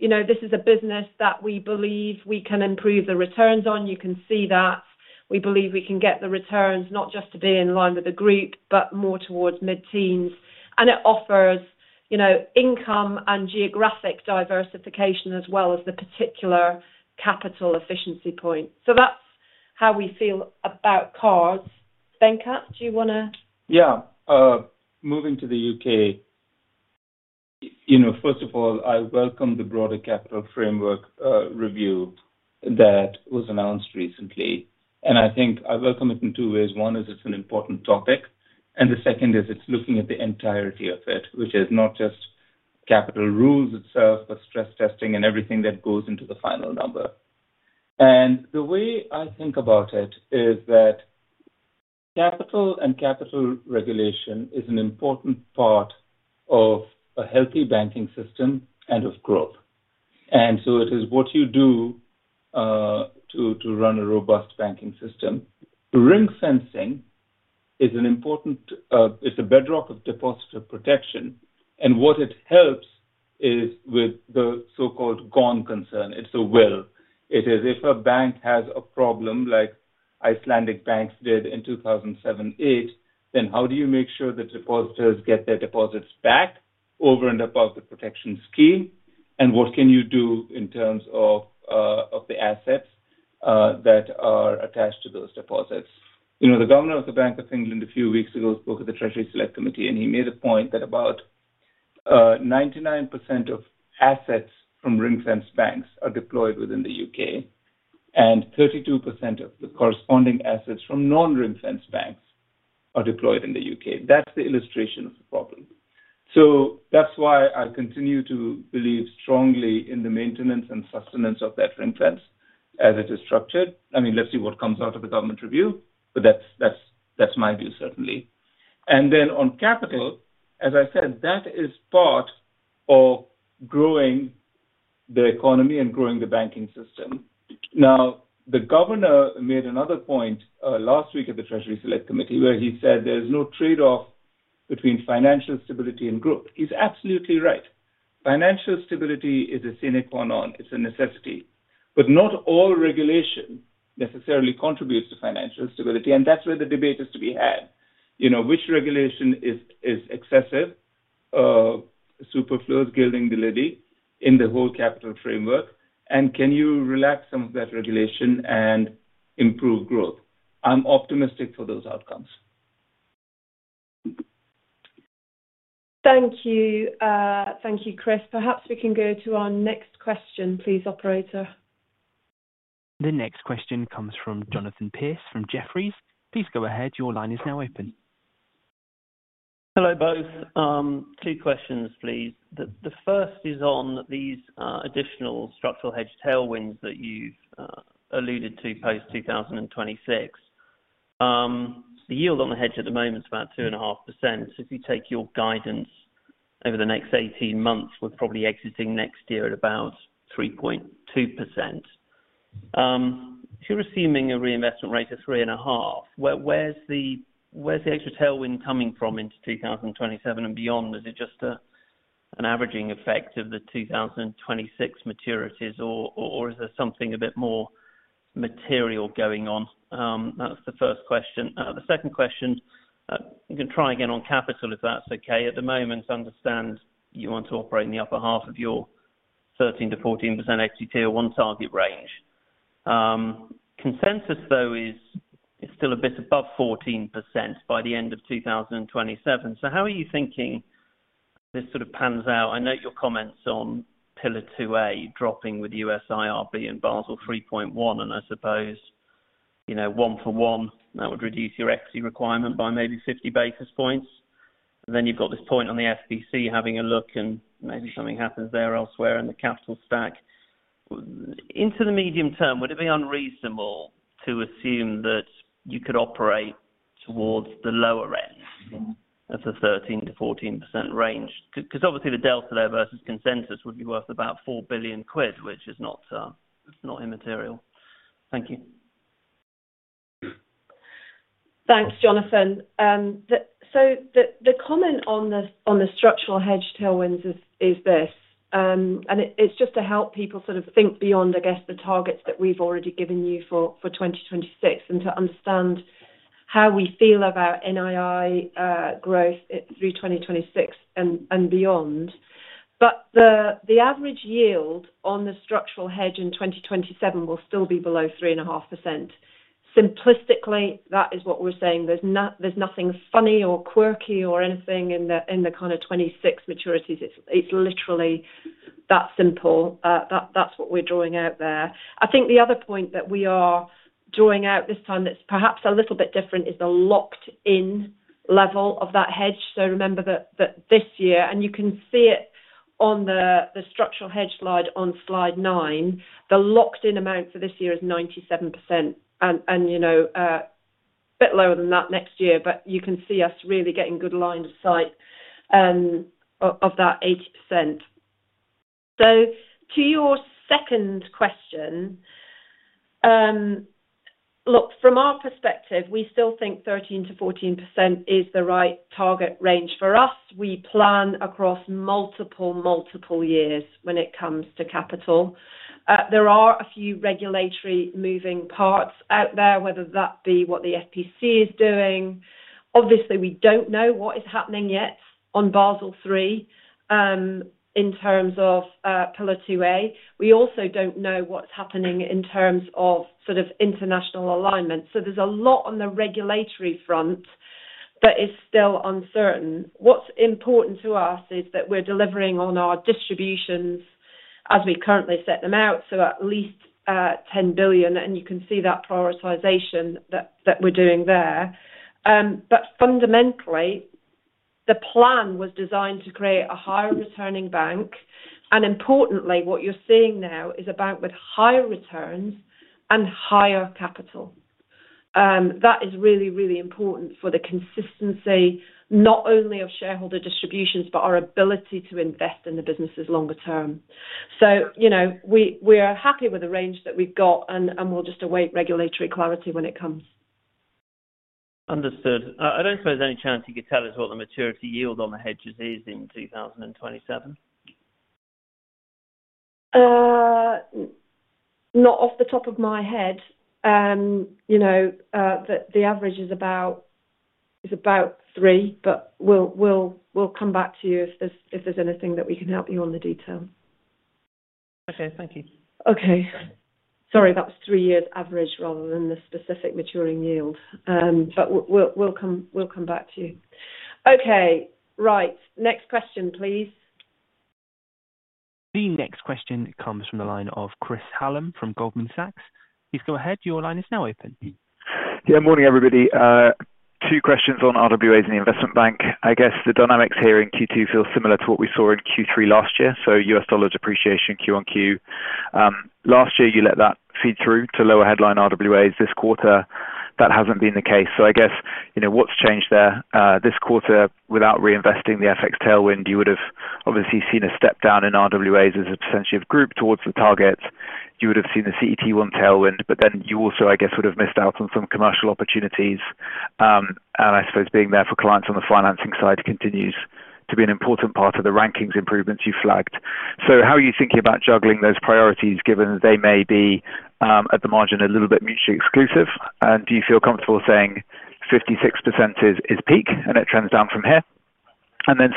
this is a business that we believe we can improve the returns on. You can see that. We believe we can get the returns not just to be in line with the group, but more towards mid-teens. It offers income and geographic diversification as well as the particular capital efficiency point. That's how we feel about cards. Venkat, do you want to? Yeah. Moving to the U.K., 1st of all, I welcome the broader capital framework review that was announced recently. I think I welcome it in two ways. One is it's an important topic. The 2nd is it's looking at the entirety of it, which is not just capital rules itself, but stress testing and everything that goes into the final number. The way I think about it is that capital and capital regulation is an important part of a healthy banking system and of growth. It is what you do to run a robust banking system. Ring-fencing is important. It's a bedrock of depositor protection. What it helps is with the so-called gone concern. It is if a bank has a problem like Icelandic banks did in 2007, 2008, then how do you make sure that depositors get their deposits back over and above the protection scheme? What can you do in terms of the assets that are attached to those deposits? The governor of the Bank of England a few weeks ago spoke at the Treasury Select Committee, and he made a point that about 99% of assets from ring-fenced banks are deployed within the U.K., and 32% of the corresponding assets from non-ring-fenced banks are deployed in the U.K. That's the illustration of the problem. That's why I continue to believe strongly in the maintenance and sustenance of that ring-fence as it is structured. I mean, let's see what comes out of the government review, but that's my view, certainly. Then on capital, as I said, that is part of growing the economy and growing the banking system. Now, the governor made another point last week at the Treasury Select Committee where he said there's no trade-off between financial stability and growth. He's absolutely right. Financial stability is a sine qua non. It's a necessity. Not all regulation necessarily contributes to financial stability. That is where the debate is to be had. Which regulation is excessive, superfluous, gilding the lady in the whole capital framework? Can you relax some of that regulation and improve growth? I'm optimistic for those outcomes. Thank you. Thank you, Chris. Perhaps we can go to our next question, please, operator. The next question comes from Jonathan Pierce from Jefferies. Please go ahead. Your line is now open. Hello, both. Two questions, please. The first is on these additional structural hedge tailwinds that you've alluded to post-2026. The yield on the hedge at the moment is about 2.5%. If you take your guidance over the next 18 months, we're probably exiting next year at about 3.2%. If you're assuming a reinvestment rate of 3.5%, where is the extra tailwind coming from into 2027 and beyond? Is it just an averaging effect of the 2026 maturities, or is there something a bit more material going on? That is the 1st question. The 2nd question. I'm going to try again on capital if that's okay. At the moment, I understand you want to operate in the upper half of your 13-14% equity to a one-target range. Consensus, though, is still a bit above 14% by the end of 2027. How are you thinking this sort of pans out? I note your comments on Pillar 2A dropping with U.S. IRB and Basel 3.1, and I suppose one for one, that would reduce your equity requirement by maybe 50 basis points. Then you've got this point on the FPC having a look, and maybe something happens there elsewhere in the capital stack. Into the medium term, would it be unreasonable to assume that you could operate towards the lower end of the 13-14% range? Obviously, the delta there versus consensus would be worth about 4 billion quid, which is not immaterial. Thank you. Thanks, Jonathan. The comment on the structural hedge tailwinds is this. It is just to help people sort of think beyond, I guess, the targets that we've already given you for 2026 and to understand how we feel about NII growth through 2026 and beyond. The average yield on the structural hedge in 2027 will still be below 3.5%. Simplistically, that is what we're saying. There is nothing funny or quirky or anything in the kind of 2026 maturities. It is literally that simple. That is what we're drawing out there. I think the other point that we are drawing out this time that's perhaps a little bit different is the locked-in level of that hedge. Remember that this year, and you can see it on the structural hedge slide on slide nine, the locked-in amount for this year is 97%. A bit lower than that next year, but you can see us really getting good line of sight of that 80%. To your second question. Look, from our perspective, we still think 13-14% is the right target range for us. We plan across multiple, multiple years when it comes to capital. There are a few regulatory moving parts out there, whether that be what the FPC is doing. Obviously, we do not know what is happening yet on Basel III. In terms of Pillar 2A. We also do not know what is happening in terms of sort of international alignment. There is a lot on the regulatory front that is still uncertain. What is important to us is that we are delivering on our distributions as we currently set them out, so at least 10 billion. You can see that prioritization that we are doing there. Fundamentally, the plan was designed to create a higher returning bank. Importantly, what you are seeing now is a bank with higher returns and higher capital. That is really, really important for the consistency, not only of shareholder distributions, but our ability to invest in the businesses longer term. We are happy with the range that we have got, and we will just await regulatory clarity when it comes. Understood. I do not suppose any chance you could tell us what the maturity yield on the hedges is in 2027? Not off the top of my head. The average is about three, but we will come back to you if there is anything that we can help you on the detail. Okay. Thank you. Okay. Sorry, that was three years average rather than the specific maturing yield. We will come back to you. Okay. Right. Next question, please. The next question comes from the line of Chris Hallam from Goldman Sachs. Please go ahead. Your line is now open. Yeah. Morning, everybody. Two questions on RWAs in the investment bank. I guess the dynamics here in Q2 feel similar to what we saw in Q3 last year. US dollar depreciation, Q on Q. Last year, you let that feed through to lower headline RWAs. This quarter, that has not been the case. I guess what has changed there? This quarter, without reinvesting the FX tailwind, you would have obviously seen a step down in RWAs as a percentage of group towards the target. You would have seen the CET1 tailwind, but then you also, I guess, would have missed out on some commercial opportunities. I suppose being there for clients on the financing side continues to be an important part of the rankings improvements you flagged. How are you thinking about juggling those priorities given that they may be, at the margin, a little bit mutually exclusive? Do you feel comfortable saying 56% is peak and it trends down from here?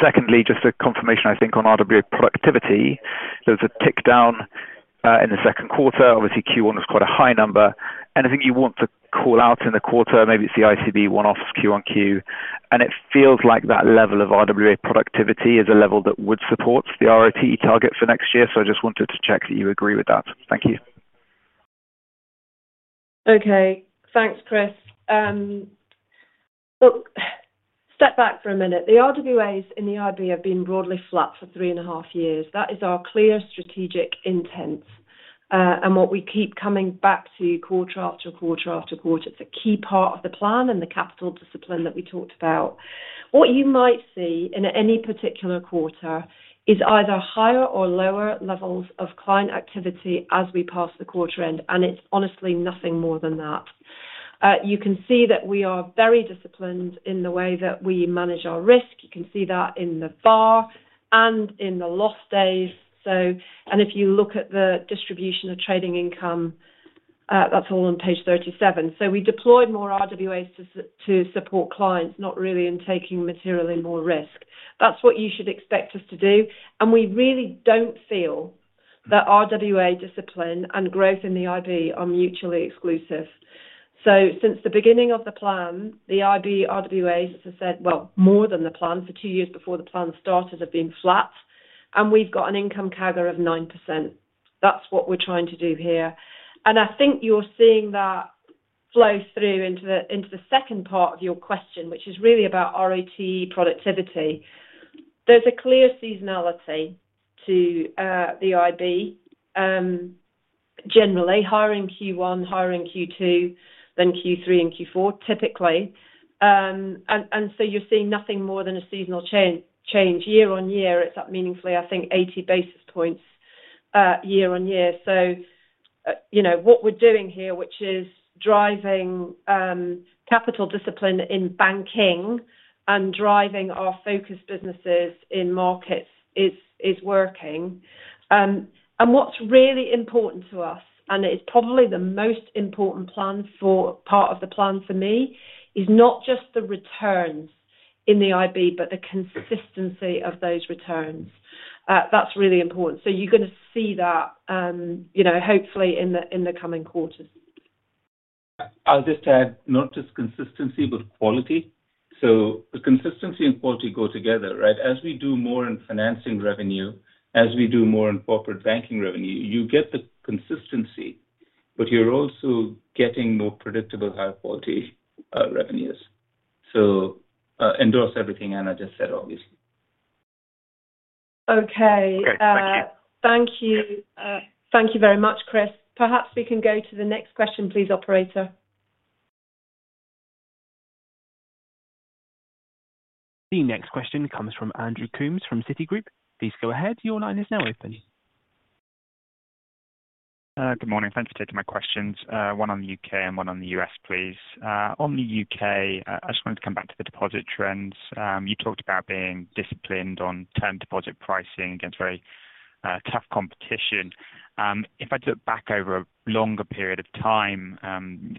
Secondly, just a confirmation, I think, on RWA productivity. There was a tick down in the 2nd quarter. Obviously, Q1 was quite a high number. Anything you want to call out in the quarter? Maybe it's the ICB one-offs, Q on Q. It feels like that level of RWA productivity is a level that would support the ROT target for next year. I just wanted to check that you agree with that. Thank you. Okay. Thanks, Chris. Look, step back for a minute. The RWAs in the IB have been broadly flat for three and a half years. That is our clear strategic intent. What we keep coming back to quarter after quarter after quarter, it's a key part of the plan and the capital discipline that we talked about. What you might see in any particular quarter is either higher or lower levels of client activity as we pass the quarter end. It's honestly nothing more than that. You can see that we are very disciplined in the way that we manage our risk. You can see that in the VaR and in the loss days. If you look at the distribution of trading income, that's all on page 37. We deployed more RWAs to support clients, not really in taking materially more risk. That's what you should expect us to do. We really don't feel that RWA discipline and growth in the IB are mutually exclusive. Since the beginning of the plan, the IB RWAs, as I said, well, more than the plan for two years before the plan started, have been flat. We've got an income CAGR of 9%. That's what we're trying to do here. I think you're seeing that flow through into the 2nd part of your question, which is really about ROT productivity. There's a clear seasonality to the IB. Generally, higher in Q1, higher in Q2, then Q3 and Q4, typically. You're seeing nothing more than a seasonal change. Year-on-year, it's up meaningfully, I think, 80 basis points year on year. What we're doing here, which is driving capital discipline in banking and driving our focus businesses in markets, is working. What's really important to us, and it is probably the most important part of the plan for me, is not just the returns in the IB, but the consistency of those returns. That's really important. You're going to see that, hopefully in the coming quarters. I'll just add not just consistency, but quality. Consistency and quality go together, right? As we do more in financing revenue, as we do more in corporate banking revenue, you get the consistency, but you're also getting more predictable high-quality revenues. Endorse everything Anna just said, obviously. Thank you. Thank you very much, Chris. Perhaps we can go to the next question, please, operator. The next question comes from Andrew Coombs from Citigroup. Please go ahead. Your line is now open. Good morning. Thanks for taking my questions. One on the U.K. and one on the U.S., please. On the U.K., I just wanted to come back to the deposit trends. You talked about being disciplined on term deposit pricing against very tough competition. If I look back over a longer period of time,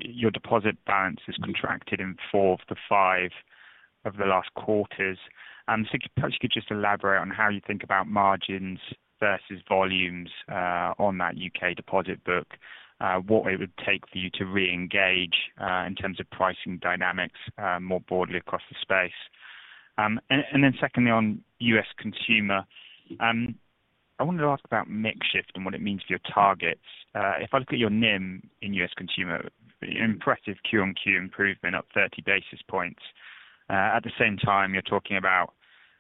your deposit balance has contracted in four to five of the last quarters. Perhaps you could just elaborate on how you think about margins versus volumes on that U.K. deposit book, what it would take for you to re-engage in terms of pricing dynamics more broadly across the space. Secondly, on U.S. consumer, I wanted to ask about makeshift and what it means for your targets. If I look at your NIM in U.S. consumer, impressive Q on Q improvement of 30 basis points. At the same time, you're talking about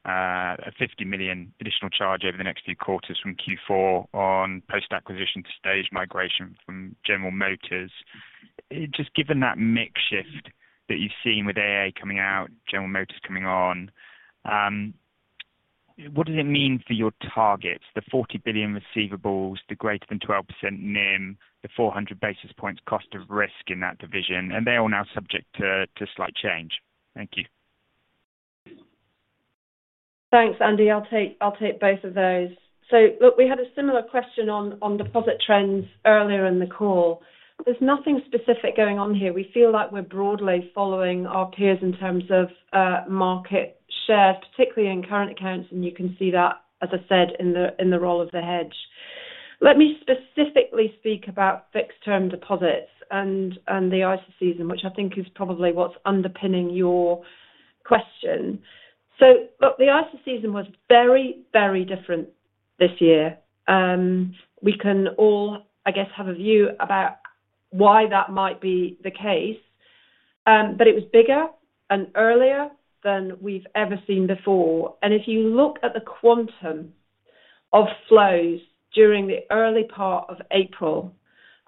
a $50 million additional charge over the next few quarters from Q4 on post-acquisition to stage migration from General Motors. Just given that makeshift that you've seen with AA coming out, General Motors coming on, what does it mean for your targets, the $40 billion receivables, the greater than 12% NIM, the 400 basis points cost of risk in that division? They're all now subject to slight change. Thank you. Thanks, Andy. I'll take both of those. We had a similar question on deposit trends earlier in the call. There's nothing specific going on here. We feel like we're broadly following our peers in terms of market shares, particularly in current accounts. You can see that, as I said, in the role of the hedge. Let me specifically speak about fixed-term deposits and the ICC season, which I think is probably what's underpinning your question. So, look, the ICC season was very, very different this year. We can all, I guess, have a view about why that might be the case. It was bigger and earlier than we've ever seen before. If you look at the quantum of flows during the early part of April,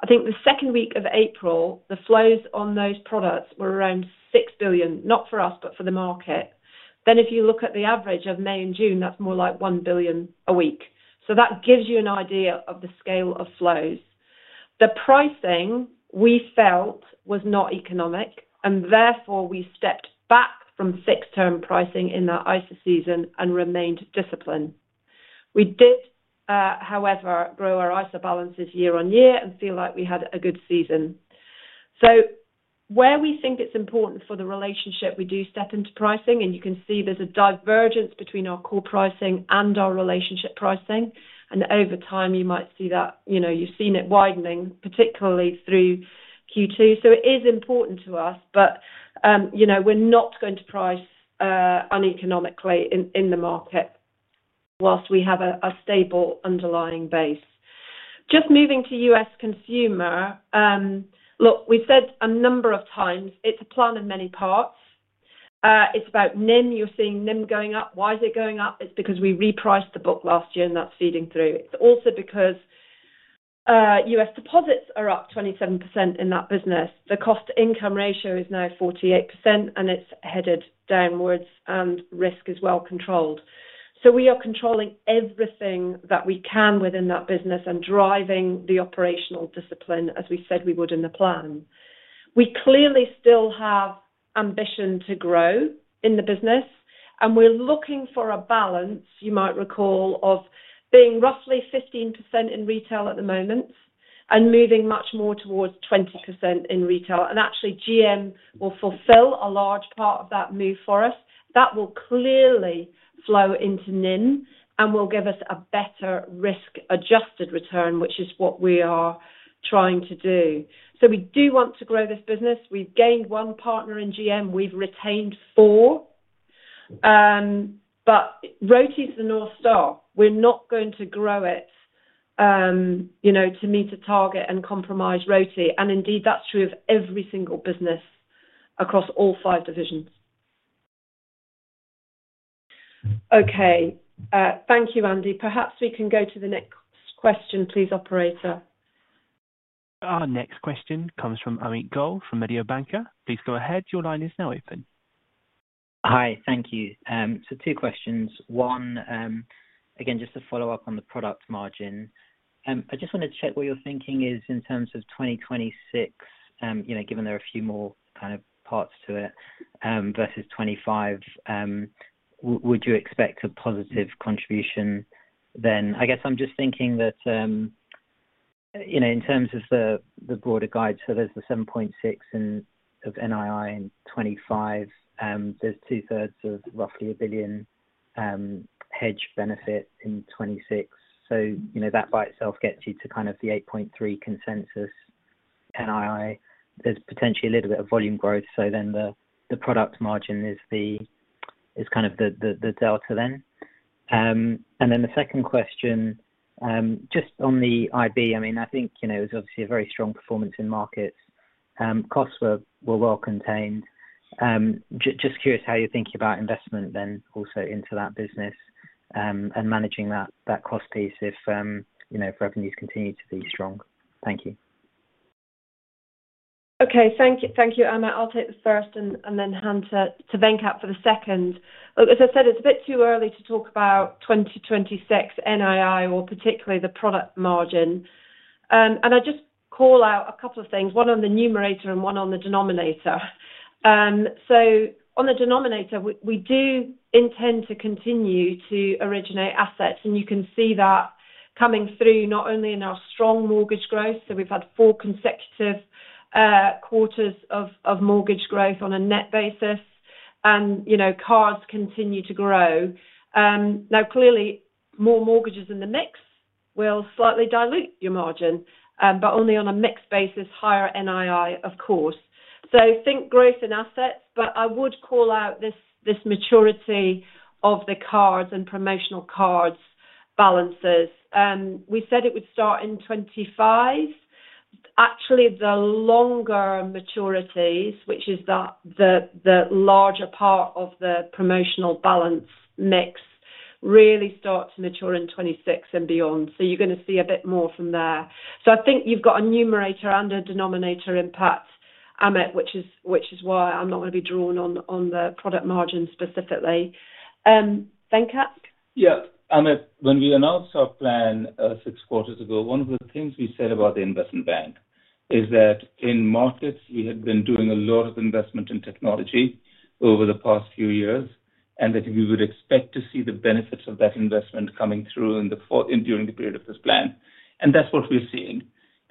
I think the second week of April, the flows on those products were around 6 billion, not for us, but for the market. If you look at the average of May and June, that's more like 1 billion a week. That gives you an idea of the scale of flows. The pricing we felt was not economic, and therefore, we stepped back from fixed-term pricing in that ICC season and remained disciplined. We did, however, grow our ISA balances year on year and feel like we had a good season. Where we think it's important for the relationship, we do step into pricing. You can see there's a divergence between our core pricing and our relationship pricing. Over time, you might see that you've seen it widening, particularly through Q2. It is important to us, but we're not going to price uneconomically in the market whilst we have a stable underlying base. Just moving to U.S. consumer. Look, we've said a number of times it's a plan in many parts. It's about NIM. You're seeing NIM going up. Why is it going up? It's because we repriced the book last year, and that's feeding through. It's also because U.S. deposits are up 27% in that business. The cost-to-income ratio is now 48%, and it's headed downwards, and risk is well controlled. We are controlling everything that we can within that business and driving the operational discipline, as we said we would in the plan. We clearly still have ambition to grow in the business, and we're looking for a balance, you might recall, of being roughly 15% in retail at the moment and moving much more towards 20% in retail. Actually, General Motors will fulfill a large part of that move for us. That will clearly flow into NIM and will give us a better risk-adjusted return, which is what we are trying to do. We do want to grow this business. We've gained one partner in General Motors. We've retained four. ROTI is the North Star. We're not going to grow it to meet a target and compromise ROTI. Indeed, that's true of every single business across all five divisions. Okay. Thank you, Andy. Perhaps we can go to the next question, please, operator. Our next question comes from Amit Goel from Mediobanca. Please go ahead. Your line is now open. Hi. Thank you. Two questions. One, again, just to follow up on the product margin. I just wanted to check what your thinking is in terms of 2026, given there are a few more kind of parts to it. Versus 2025. Would you expect a positive contribution then? I guess I'm just thinking that. In terms of the broader guide, so there's the 7.6 of NII in 2025. There's 2/3 of roughly a billion hedge benefit in 2026. That by itself gets you to kind of the 8.3 consensus NII. There's potentially a little bit of volume growth. The product margin is kind of the delta then. The 2nd question, just on the IB, I mean, I think it was obviously a very strong performance in markets. Costs were well contained. Just curious how you're thinking about investment then also into that business and managing that cost piece if revenues continue to be strong. Thank you. Okay. Thank you, Anna. I'll take the 1st and then hand to Venkat for the 2nd. Look, as I said, it's a bit too early to talk about 2026 NII or particularly the product margin. I just call out a couple of things, one on the numerator and one on the denominator. On the denominator, we do intend to continue to originate assets. You can see that coming through not only in our strong mortgage growth. We've had four consecutive quarters of mortgage growth on a net basis. Cards continue to grow. Now, clearly, more mortgages in the mix will slightly dilute your margin, but only on a mixed basis, higher NII, of course. Think growth in assets, but I would call out this maturity of the cards and promotional cards balances. We said it would start in 2025. Actually, the longer maturities, which is the larger part of the promotional balance mix, really start to mature in 2026 and beyond. You're going to see a bit more from there. I think you've got a numerator and a denominator impact, Amit, which is why I'm not going to be drawing on the product margin specifically. Venkat? Yeah. Amit, when we announced our plan six quarters ago, one of the things we said about the investment bank is that in markets, we had been doing a lot of investment in technology over the past few years and that we would expect to see the benefits of that investment coming through during the period of this plan. That's what we're seeing.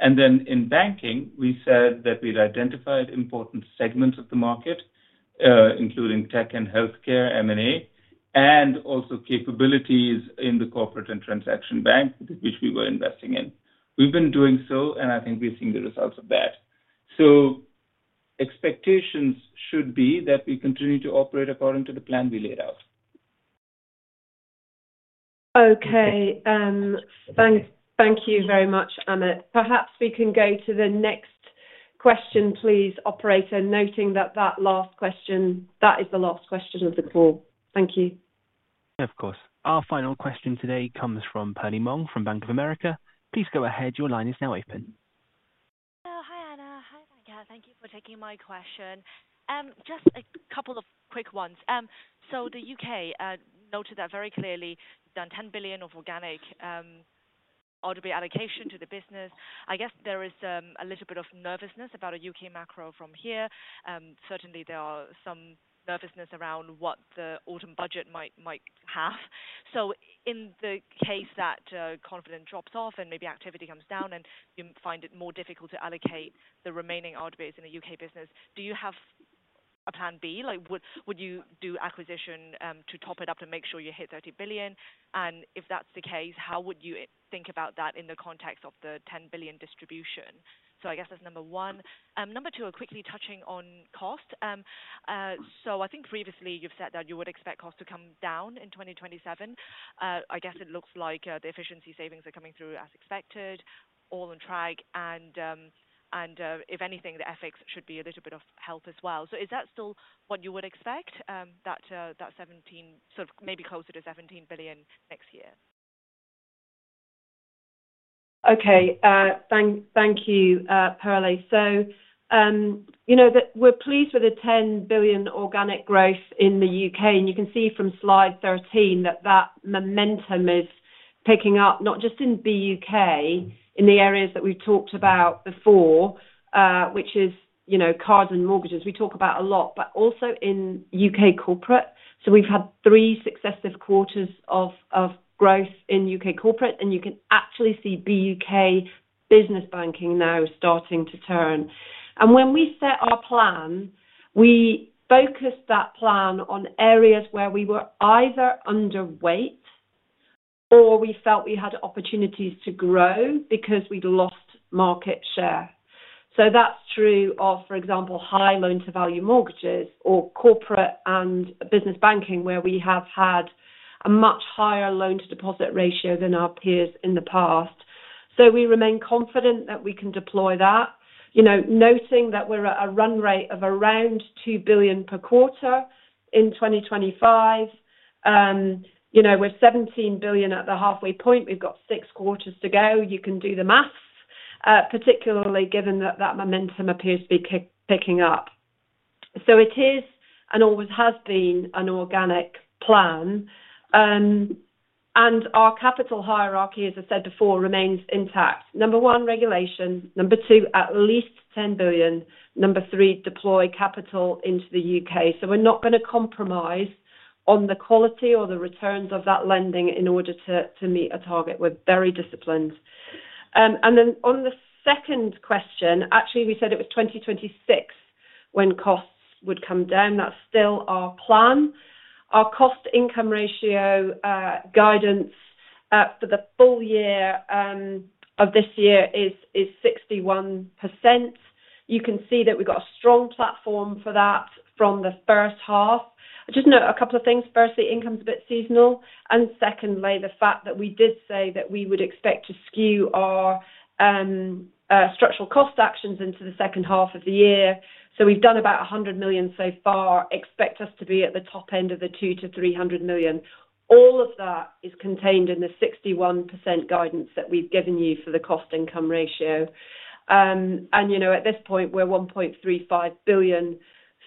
In banking, we said that we'd identified important segments of the market. Including tech and healthcare, M&A, and also capabilities in the corporate and transaction bank, which we were investing in. We've been doing so, and I think we're seeing the results of that. Expectations should be that we continue to operate according to the plan we laid out. Okay. Thank you very much, Amit. Perhaps we can go to the next question, please, operator, noting that that last question, that is the last question of the call. Thank you. Of course. Our final question today comes from Perlie Mong from Bank of America. Please go ahead. Your line is now open. Hello. Hi, Anna. Hi, Venkat. Thank you for taking my question. Just a couple of quick ones. The U.K. noted that very clearly, done 10 billion of organic. All to be allocation to the business. I guess there is a little bit of nervousness about a U.K. macro from here. Certainly, there are some nervousness around what the autumn budget might have. In the case that confidence drops off and maybe activity comes down and you find it more difficult to allocate the remaining RWAs in the U.K. business, do you have a plan B? Would you do acquisition to top it up to make sure you hit 30 billion? If that's the case, how would you think about that in the context of the 10 billion distribution? I guess that's number one. Number two, quickly touching on cost. I think previously you've said that you would expect cost to come down in 2027. I guess it looks like the efficiency savings are coming through as expected, all on track. If anything, the ethics should be a little bit of help as well. Is that still what you would expect, that 17, sort of maybe closer to 17 billion next year? Okay. Thank you, Perlie. We're pleased with the 10 billion organic growth in the U.K. You can see from slide 13 that that momentum is picking up, not just in BUK, in the areas that we've talked about before, which is cards and mortgages. We talk about a lot, but also in U.K. corporate. We've had three successive quarters of growth in U.K. corporate. You can actually see BUK business banking now starting to turn. When we set our plan, we focused that plan on areas where we were either underweight or we felt we had opportunities to grow because we'd lost market share. That's true of, for example, high loan-to-value mortgages or corporate and business banking where we have had a much higher loan-to-deposit ratio than our peers in the past. We remain confident that we can deploy that. Noting that we're at a run rate of around 2 billion per quarter in 2025. We're at 17 billion at the halfway point. We've got six quarters to go. You can do the maths, particularly given that that momentum appears to be picking up. It is and always has been an organic plan. Our capital hierarchy, as I said before, remains intact. Number one, regulation. Number two, at least 10 billion. Number three, deploy capital into the U.K. We're not going to compromise on the quality or the returns of that lending in order to meet a target. We're very disciplined. On the 2nd question, actually, we said it was 2026 when costs would come down. That's still our plan. Our cost-income ratio guidance for the full year of this year is 61%. You can see that we've got a strong platform for that from the 1st half. I just note a couple of things. Firstly, income's a bit seasonal. Secondly, the fact that we did say that we would expect to skew our structural cost actions into the 2nd half of the year. We've done about 100 million so far. Expect us to be at the top end of the 200 million-300 million. All of that is contained in the 61% guidance that we've given you for the cost-income ratio. At this point, we're at 1.35 billion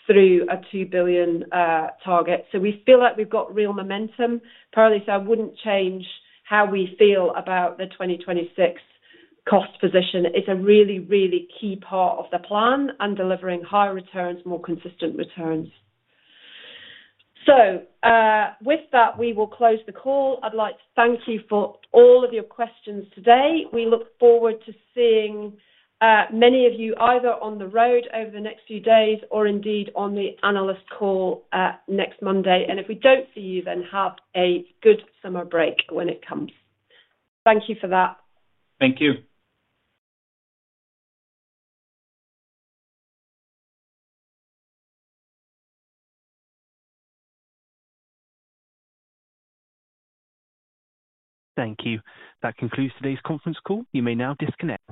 through a 2 billion target. We feel like we've got real momentum. Apparently, I wouldn't change how we feel about the 2026 cost position. It's a really, really key part of the plan and delivering high returns, more consistent returns. With that, we will close the call. I'd like to thank you for all of your questions today. We look forward to seeing many of you either on the road over the next few days or indeed on the analyst call next Monday. If we don't see you then, have a good summer break when it comes. Thank you for that. Thank you. Thank you. That concludes today's conference call. You may now disconnect.